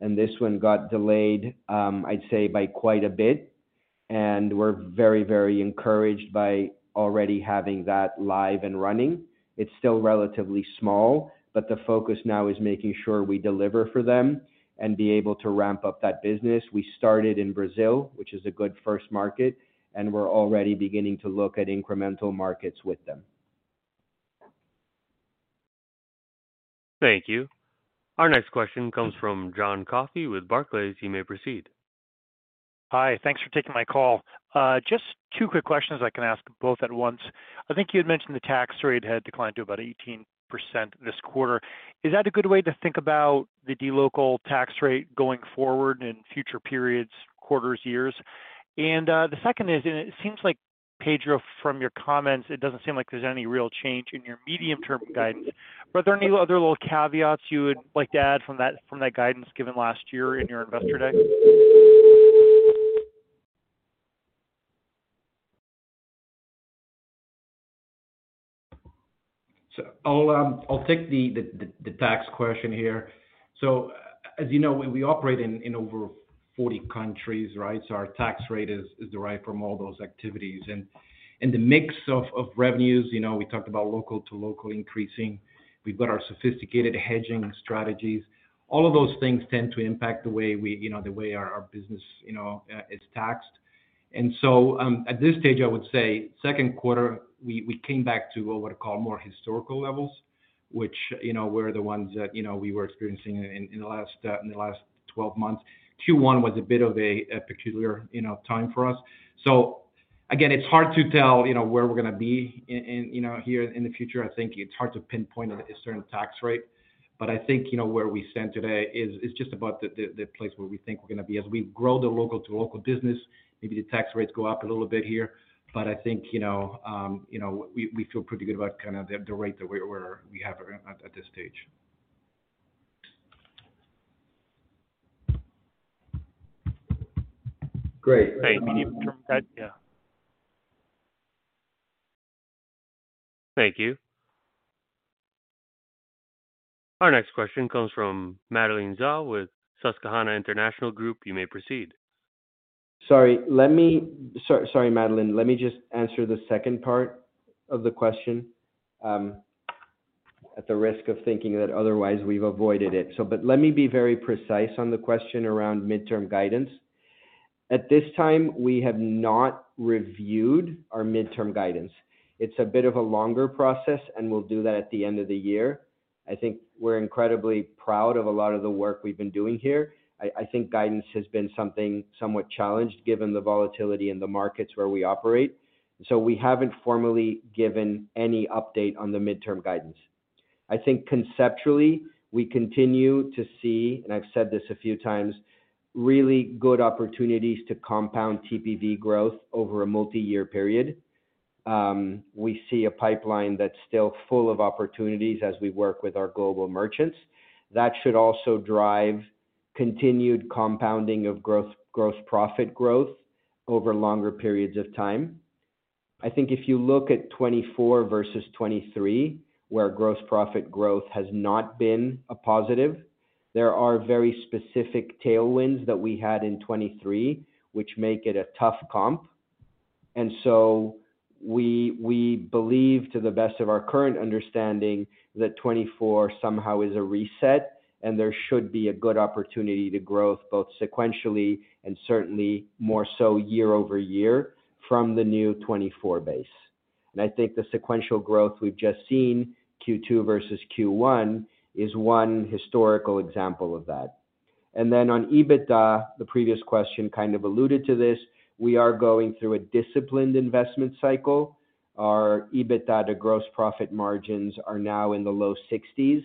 and this one got delayed, I'd say, by quite a bit, and we're very, very encouraged by already having that live and running. It's still relatively small, but the focus now is making sure we deliver for them and be able to ramp up that business. We started in Brazil, which is a good first market, and we're already beginning to look at incremental markets with them. Thank you. Our next question comes from John Coffey with Barclays. You may proceed. Hi, thanks for taking my call. Just two quick questions I can ask both at once. I think you had mentioned the tax rate had declined to about 18% this quarter. Is that a good way to think about the dLocal tax rate going forward in future periods, quarters, years? The second is, and it seems like, Pedro, from your comments, it doesn't seem like there's any real change in your medium-term guidance. Were there any other little caveats you would like to add from that, from that guidance given last year in your Investor Day? So I'll take the tax question here. So as you know, we operate in over 40 countries, right? So our tax rate is derived from all those activities. And the mix of revenues, you know, we talked about local to local increasing. We've got our sophisticated hedging strategies. All of those things tend to impact the way we, you know, the way our business, you know, is taxed. And so, at this stage, I would say second quarter, we came back to what I call more historical levels, which, you know, were the ones that, you know, we were experiencing in the last 12 months. Q1 was a bit of a particular, you know, time for us. So again, it's hard to tell, you know, where we're gonna be in the future. I think it's hard to pinpoint a certain tax rate, but I think, you know, where we stand today is just about the place where we think we're gonna be. As we grow the local to local business, maybe the tax rates go up a little bit here. But I think, you know, we feel pretty good about kind of the rate where we have it at this stage. Great. Great. Yeah. Thank you. Our next question comes from Madeline Zhao with Susquehanna International Group. You may proceed. Sorry, sorry, Madeline, let me just answer the second part of the question, at the risk of thinking that otherwise we've avoided it. So, but let me be very precise on the question around midterm guidance. At this time, we have not reviewed our midterm guidance. It's a bit of a longer process, and we'll do that at the end of the year. I think we're incredibly proud of a lot of the work we've been doing here. I think guidance has been something somewhat challenged given the volatility in the markets where we operate. So we haven't formally given any update on the midterm guidance. I think conceptually, we continue to see, and I've said this a few times, really good opportunities to compound TPV growth over a multi-year period. We see a pipeline that's still full of opportunities as we work with our global merchants. That should also drive continued compounding of growth - gross profit growth over longer periods of time. I think if you look at 2024 versus 2023, where gross profit growth has not been a positive, there are very specific tailwinds that we had in 2023, which make it a tough comp. And so we believe to the best of our current understanding, that 2024 somehow is a reset, and there should be a good opportunity to growth, both sequentially and certainly more so year-over-year from the new 2024 base. And I think the sequential growth we've just seen, Q2 versus Q1, is one historical example of that. And then on EBITDA, the previous question kind of alluded to this, we are going through a disciplined investment cycle. Our EBITDA to gross profit margins are now in the low 60s%.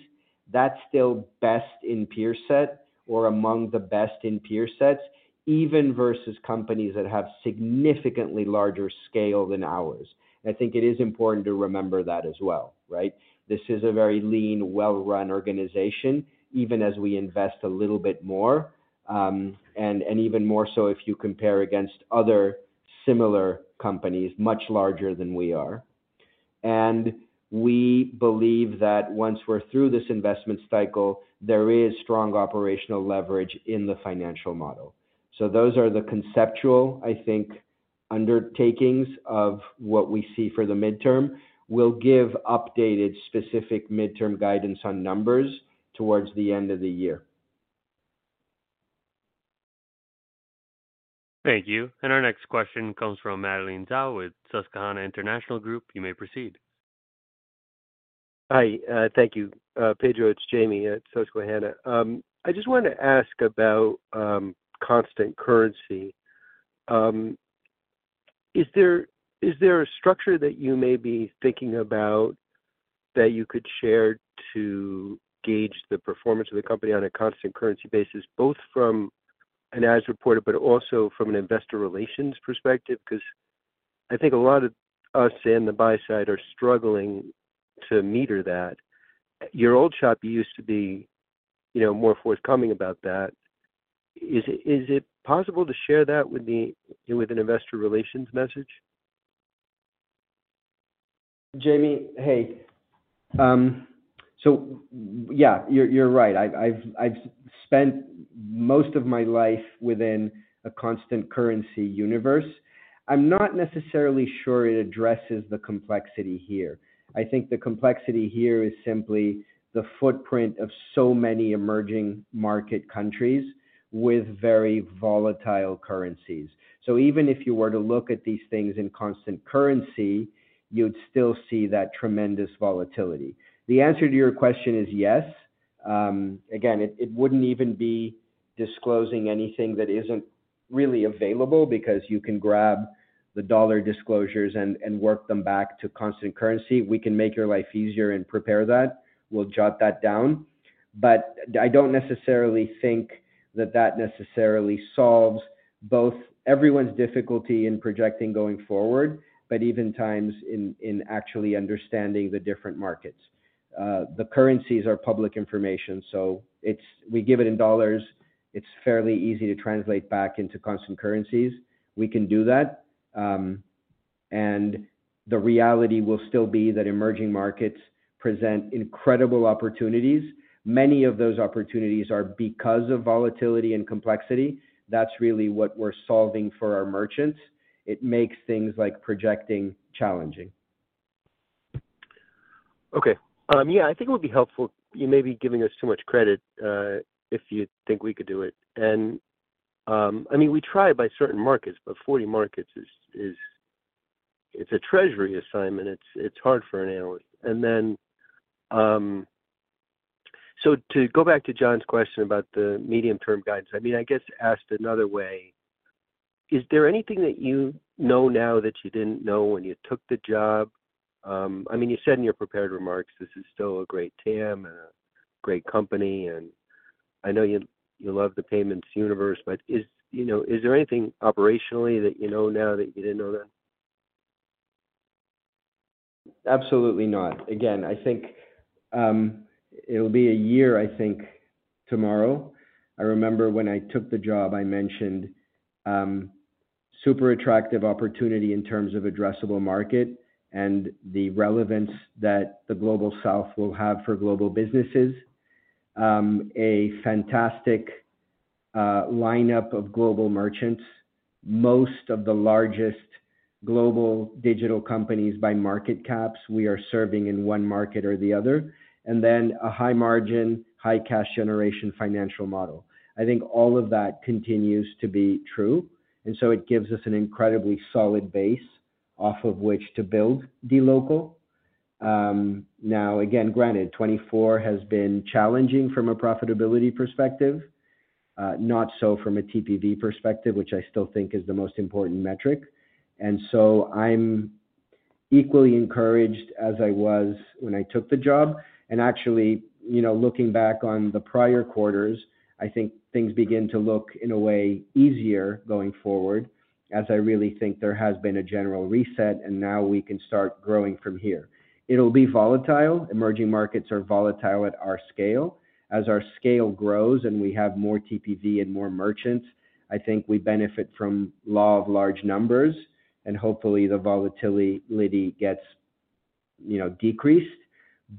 That's still best in peer set or among the best in peer sets, even versus companies that have significantly larger scale than ours. I think it is important to remember that as well, right? This is a very lean, well-run organization, even as we invest a little bit more, and even more so if you compare against other similar companies, much larger than we are. And we believe that once we're through this investment cycle, there is strong operational leverage in the financial model. So those are the conceptual, I think, undertakings of what we see for the midterm. We'll give updated specific midterm guidance on numbers towards the end of the year. Thank you. Our next question comes from Madeline Zhao with Susquehanna International Group. You may proceed. Hi, thank you. Pedro, it's Jamie at Susquehanna. I just wanted to ask about constant currency. Is there, is there a structure that you may be thinking about that you could share to gauge the performance of the company on a constant currency basis, both from an as reported, but also from an investor relations perspective? 'Cause I think a lot of us in the buy side are struggling to meter that. Your old shop used to be, you know, more forthcoming about that. Is it, is it possible to share that with the, with an investor relations message? Jamie, hey. So yeah, you're right. I've spent most of my life within a constant currency universe. I'm not necessarily sure it addresses the complexity here. I think the complexity here is simply the footprint of so many emerging market countries with very volatile currencies. So even if you were to look at these things in constant currency, you'd still see that tremendous volatility. The answer to your question is yes. Again, it wouldn't even be disclosing anything that isn't really available because you can grab the dollar disclosures and work them back to constant currency. We can make your life easier and prepare that. We'll jot that down. But I don't necessarily think that that necessarily solves both everyone's difficulty in projecting going forward, but even times in actually understanding the different markets. The currencies are public information, so it's we give it in dollars. It's fairly easy to translate back into constant currencies. We can do that. The reality will still be that emerging markets present incredible opportunities. Many of those opportunities are because of volatility and complexity. That's really what we're solving for our merchants. It makes things like projecting challenging. Okay. Yeah, I think it would be helpful. You may be giving us too much credit, if you think we could do it. And, I mean, we try by certain markets, but 40 markets is, it's a treasury assignment. It's hard for an analyst. And then, so to go back to John's question about the medium-term guidance, I mean, I guess asked another way: Is there anything that you know now that you didn't know when you took the job? I mean, you said in your prepared remarks, this is still a great TAM and a great company, and I know you love the payments universe, but, you know, is there anything operationally that you know now that you didn't know then? Absolutely not. Again, I think, it'll be a year, I think, tomorrow. I remember when I took the job, I mentioned, super attractive opportunity in terms of addressable market and the relevance that the Global South will have for global businesses. A fantastic, lineup of global merchants. Most of the largest global digital companies by market caps, we are serving in one market or the other, and then a high margin, high cash generation financial model. I think all of that continues to be true, and so it gives us an incredibly solid base off of which to build the local. Now, again, granted, 2024 has been challenging from a profitability perspective, not so from a TPV perspective, which I still think is the most important metric. And so I'm equally encouraged as I was when I took the job. And actually, you know, looking back on the prior quarters, I think things begin to look, in a way, easier going forward, as I really think there has been a general reset, and now we can start growing from here. It'll be volatile. Emerging markets are volatile at our scale. As our scale grows and we have more TPV and more merchants, I think we benefit from law of large numbers, and hopefully the volatility gets, you know, decreased.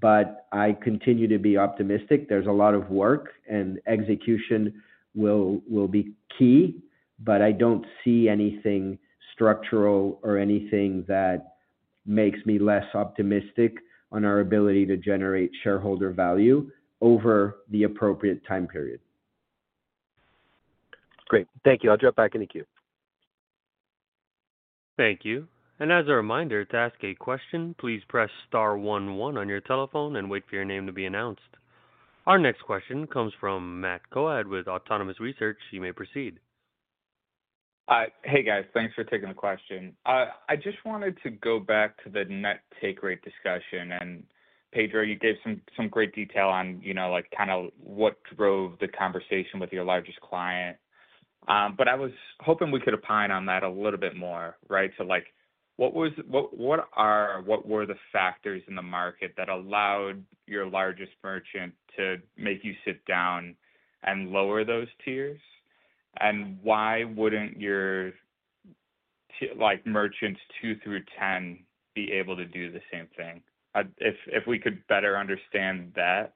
But I continue to be optimistic. There's a lot of work, and execution will be key, but I don't see anything structural or anything that makes me less optimistic on our ability to generate shareholder value over the appropriate time period. Great. Thank you. I'll drop back in the queue. Thank you. And as a reminder, to ask a question, please press star one one on your telephone and wait for your name to be announced. Our next question comes from Matt Coad with Autonomous Research. You may proceed. Hey, guys. Thanks for taking the question. I just wanted to go back to the net take rate discussion, and Pedro, you gave some great detail on, you know, like, kind of what drove the conversation with your largest client. But I was hoping we could opine on that a little bit more, right? So like, what were the factors in the market that allowed your largest merchant to make you sit down and lower those tiers? And why wouldn't your merchants two through ten be able to do the same thing? If we could better understand that,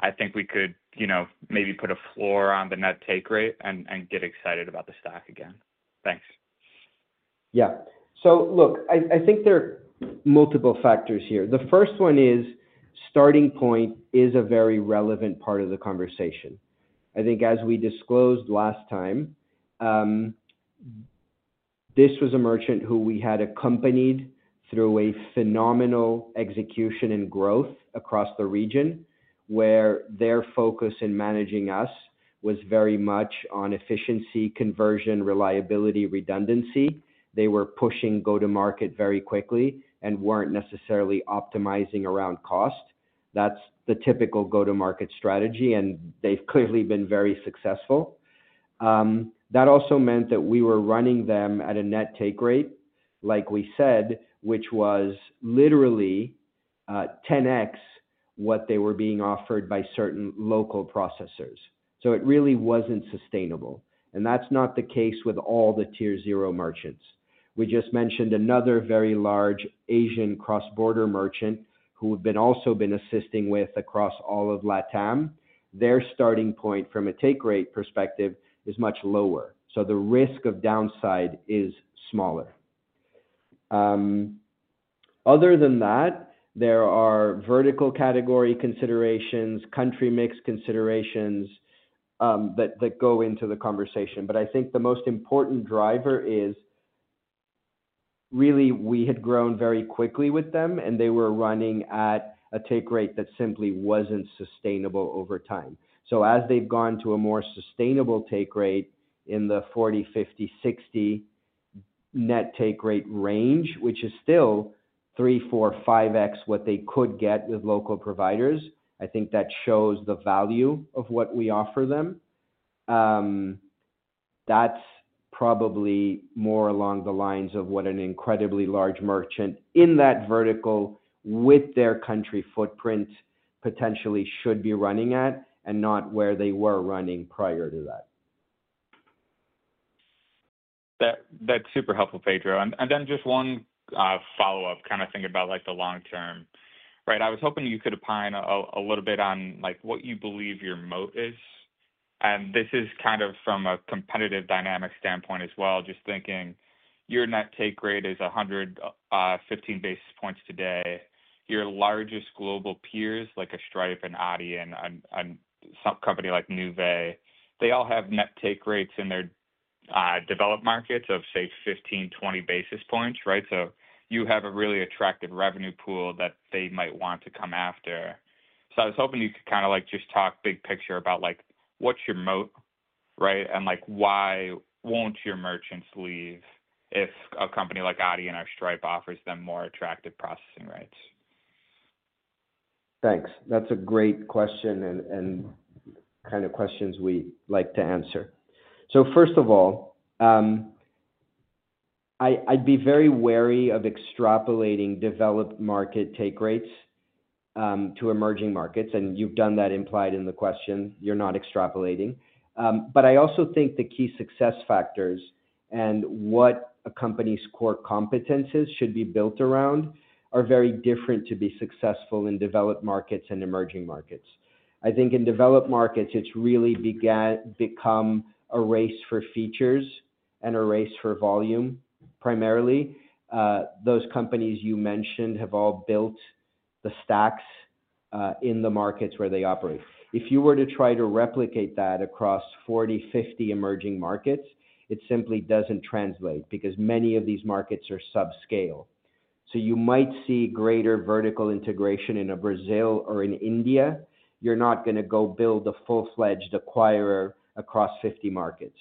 I think we could, you know, maybe put a floor on the net take rate and get excited about the stock again. Thanks. Yeah. So look, I, I think there are multiple factors here. The first one is, starting point is a very relevant part of the conversation. I think as we disclosed last time, this was a merchant who we had accompanied through a phenomenal execution and growth across the region, where their focus in managing us was very much on efficiency, conversion, reliability, redundancy. They were pushing go-to-market very quickly and weren't necessarily optimizing around cost. That's the typical go-to-market strategy, and they've clearly been very successful. That also meant that we were running them at a net take rate, like we said, which was literally 10x what they were being offered by certain local processors. So it really wasn't sustainable. And that's not the case with all the Tier Zero merchants We just mentioned another very large Asian cross-border merchant who we've been also assisting with across all of LatAm. Their starting point from a take rate perspective is much lower, so the risk of downside is smaller. Other than that, there are vertical category considerations, country mix considerations, that go into the conversation. But I think the most important driver is really we had grown very quickly with them, and they were running at a take rate that simply wasn't sustainable over time. So as they've gone to a more sustainable take rate in the 40, 50, 60 net take rate range, which is still 3, 4, 5x what they could get with local providers, I think that shows the value of what we offer them. That's probably more along the lines of what an incredibly large merchant in that vertical with their country footprint potentially should be running at, and not where they were running prior to that. That, that's super helpful, Pedro. And then just one follow-up, kind of think about, like, the long term, right? I was hoping you could opine a little bit on, like, what you believe your moat is. And this is kind of from a competitive dynamic standpoint as well, just thinking your net take rate is 115 basis points today. Your largest global peers, like Stripe and Adyen, and some company like Nuvei, they all have net take rates in their developed markets of, say, 15-20 basis points, right? So I was hoping you could kind of, like, just talk big picture about, like, what's your moat, right? Like, why won't your merchants leave if a company like Adyen or Stripe offers them more attractive processing rates? Thanks. That's a great question and kind of questions we like to answer. So first of all, I'd be very wary of extrapolating developed market take rates to emerging markets, and you've done that implied in the question. You're not extrapolating. But I also think the key success factors and what a company's core competencies should be built around are very different to be successful in developed markets and emerging markets. I think in developed markets, it's really become a race for features and a race for volume, primarily. Those companies you mentioned have all built the stacks in the markets where they operate. If you were to try to replicate that across 40, 50 emerging markets, it simply doesn't translate because many of these markets are subscale. So you might see greater vertical integration in a Brazil or in India. You're not gonna go build a full-fledged acquirer across 50 markets.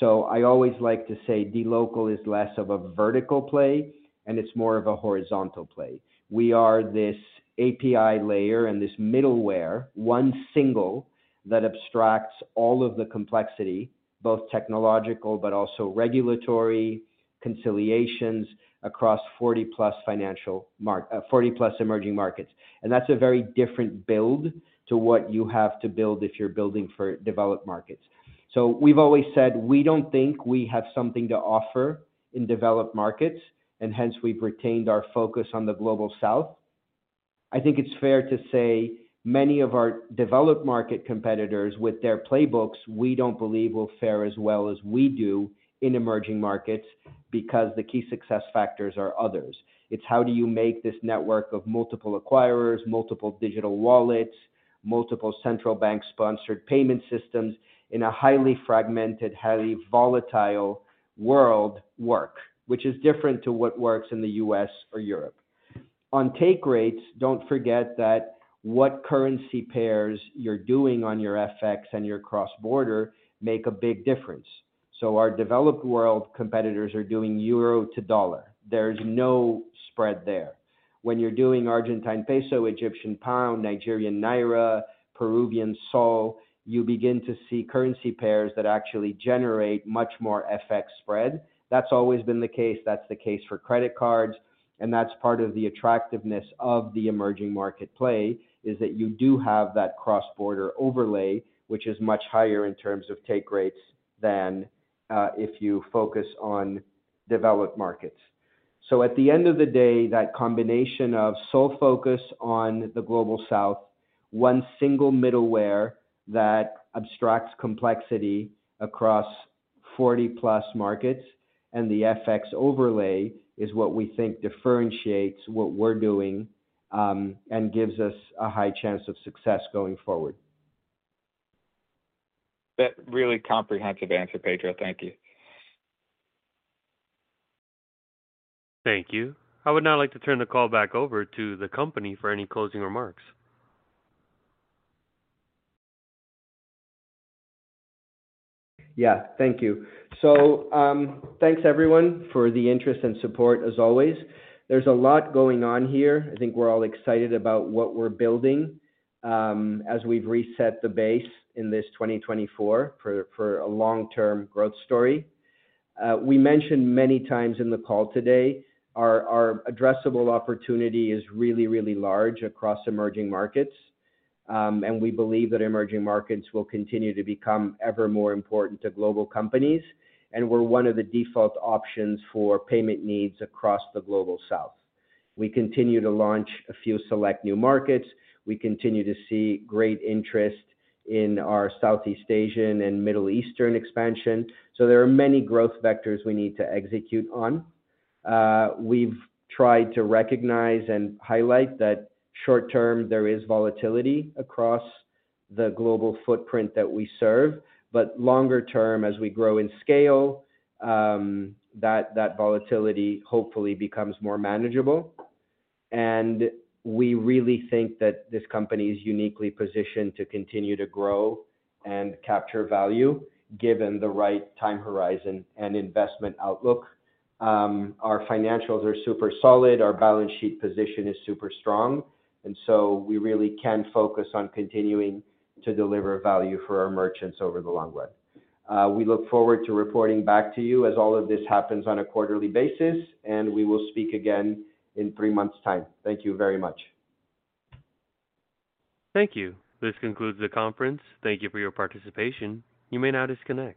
So I always like to say, dLocal is less of a vertical play and it's more of a horizontal play. We are this API layer and this middleware, one single that abstracts all of the complexity, both technological but also regulatory complications across 40+ financial markets, 40+ emerging markets. And that's a very different build to what you have to build if you're building for developed markets. So we've always said we don't think we have something to offer in developed markets, and hence we've retained our focus on the Global South. I think it's fair to say many of our developed market competitors with their playbooks, we don't believe will fare as well as we do in emerging markets, because the key success factors are others. It's how do you make this network of multiple acquirers, multiple digital wallets, multiple central bank-sponsored payment systems in a highly fragmented, highly volatile world work, which is different to what works in the U.S. or Europe. On take rates, don't forget that what currency pairs you're doing on your FX and your cross-border make a big difference. So our developed world competitors are doing euro to dollar. There's no spread there. When you're doing Argentine peso, Egyptian pound, Nigerian naira, Peruvian sol, you begin to see currency pairs that actually generate much more FX spread. That's always been the case, that's the case for credit cards, and that's part of the attractiveness of the emerging market play, is that you do have that cross-border overlay, which is much higher in terms of take rates than if you focus on developed markets. At the end of the day, that combination of sole focus on the Global South, one single middleware that abstracts complexity across 40+ markets and the FX overlay, is what we think differentiates what we're doing, and gives us a high chance of success going forward. That really comprehensive answer, Pedro. Thank you. Thank you. I would now like to turn the call back over to the company for any closing remarks. Yeah, thank you. So, thanks everyone, for the interest and support as always. There's a lot going on here. I think we're all excited about what we're building, as we've reset the base in this 2024 for a long-term growth story. We mentioned many times in the call today, our addressable opportunity is really, really large across emerging markets. And we believe that emerging markets will continue to become ever more important to global companies, and we're one of the default options for payment needs across the Global South. We continue to launch a few select new markets. We continue to see great interest in our Southeast Asian and Middle Eastern expansion. So there are many growth vectors we need to execute on. We've tried to recognize and highlight that short term, there is volatility across the global footprint that we serve, but longer term, as we grow in scale, that volatility hopefully becomes more manageable. We really think that this company is uniquely positioned to continue to grow and capture value, given the right time horizon and investment outlook. Our financials are super solid, our balance sheet position is super strong, and so we really can focus on continuing to deliver value for our merchants over the long run. We look forward to reporting back to you as all of this happens on a quarterly basis, and we will speak again in three months' time. Thank you very much. Thank you. This concludes the conference. Thank you for your participation. You may now disconnect.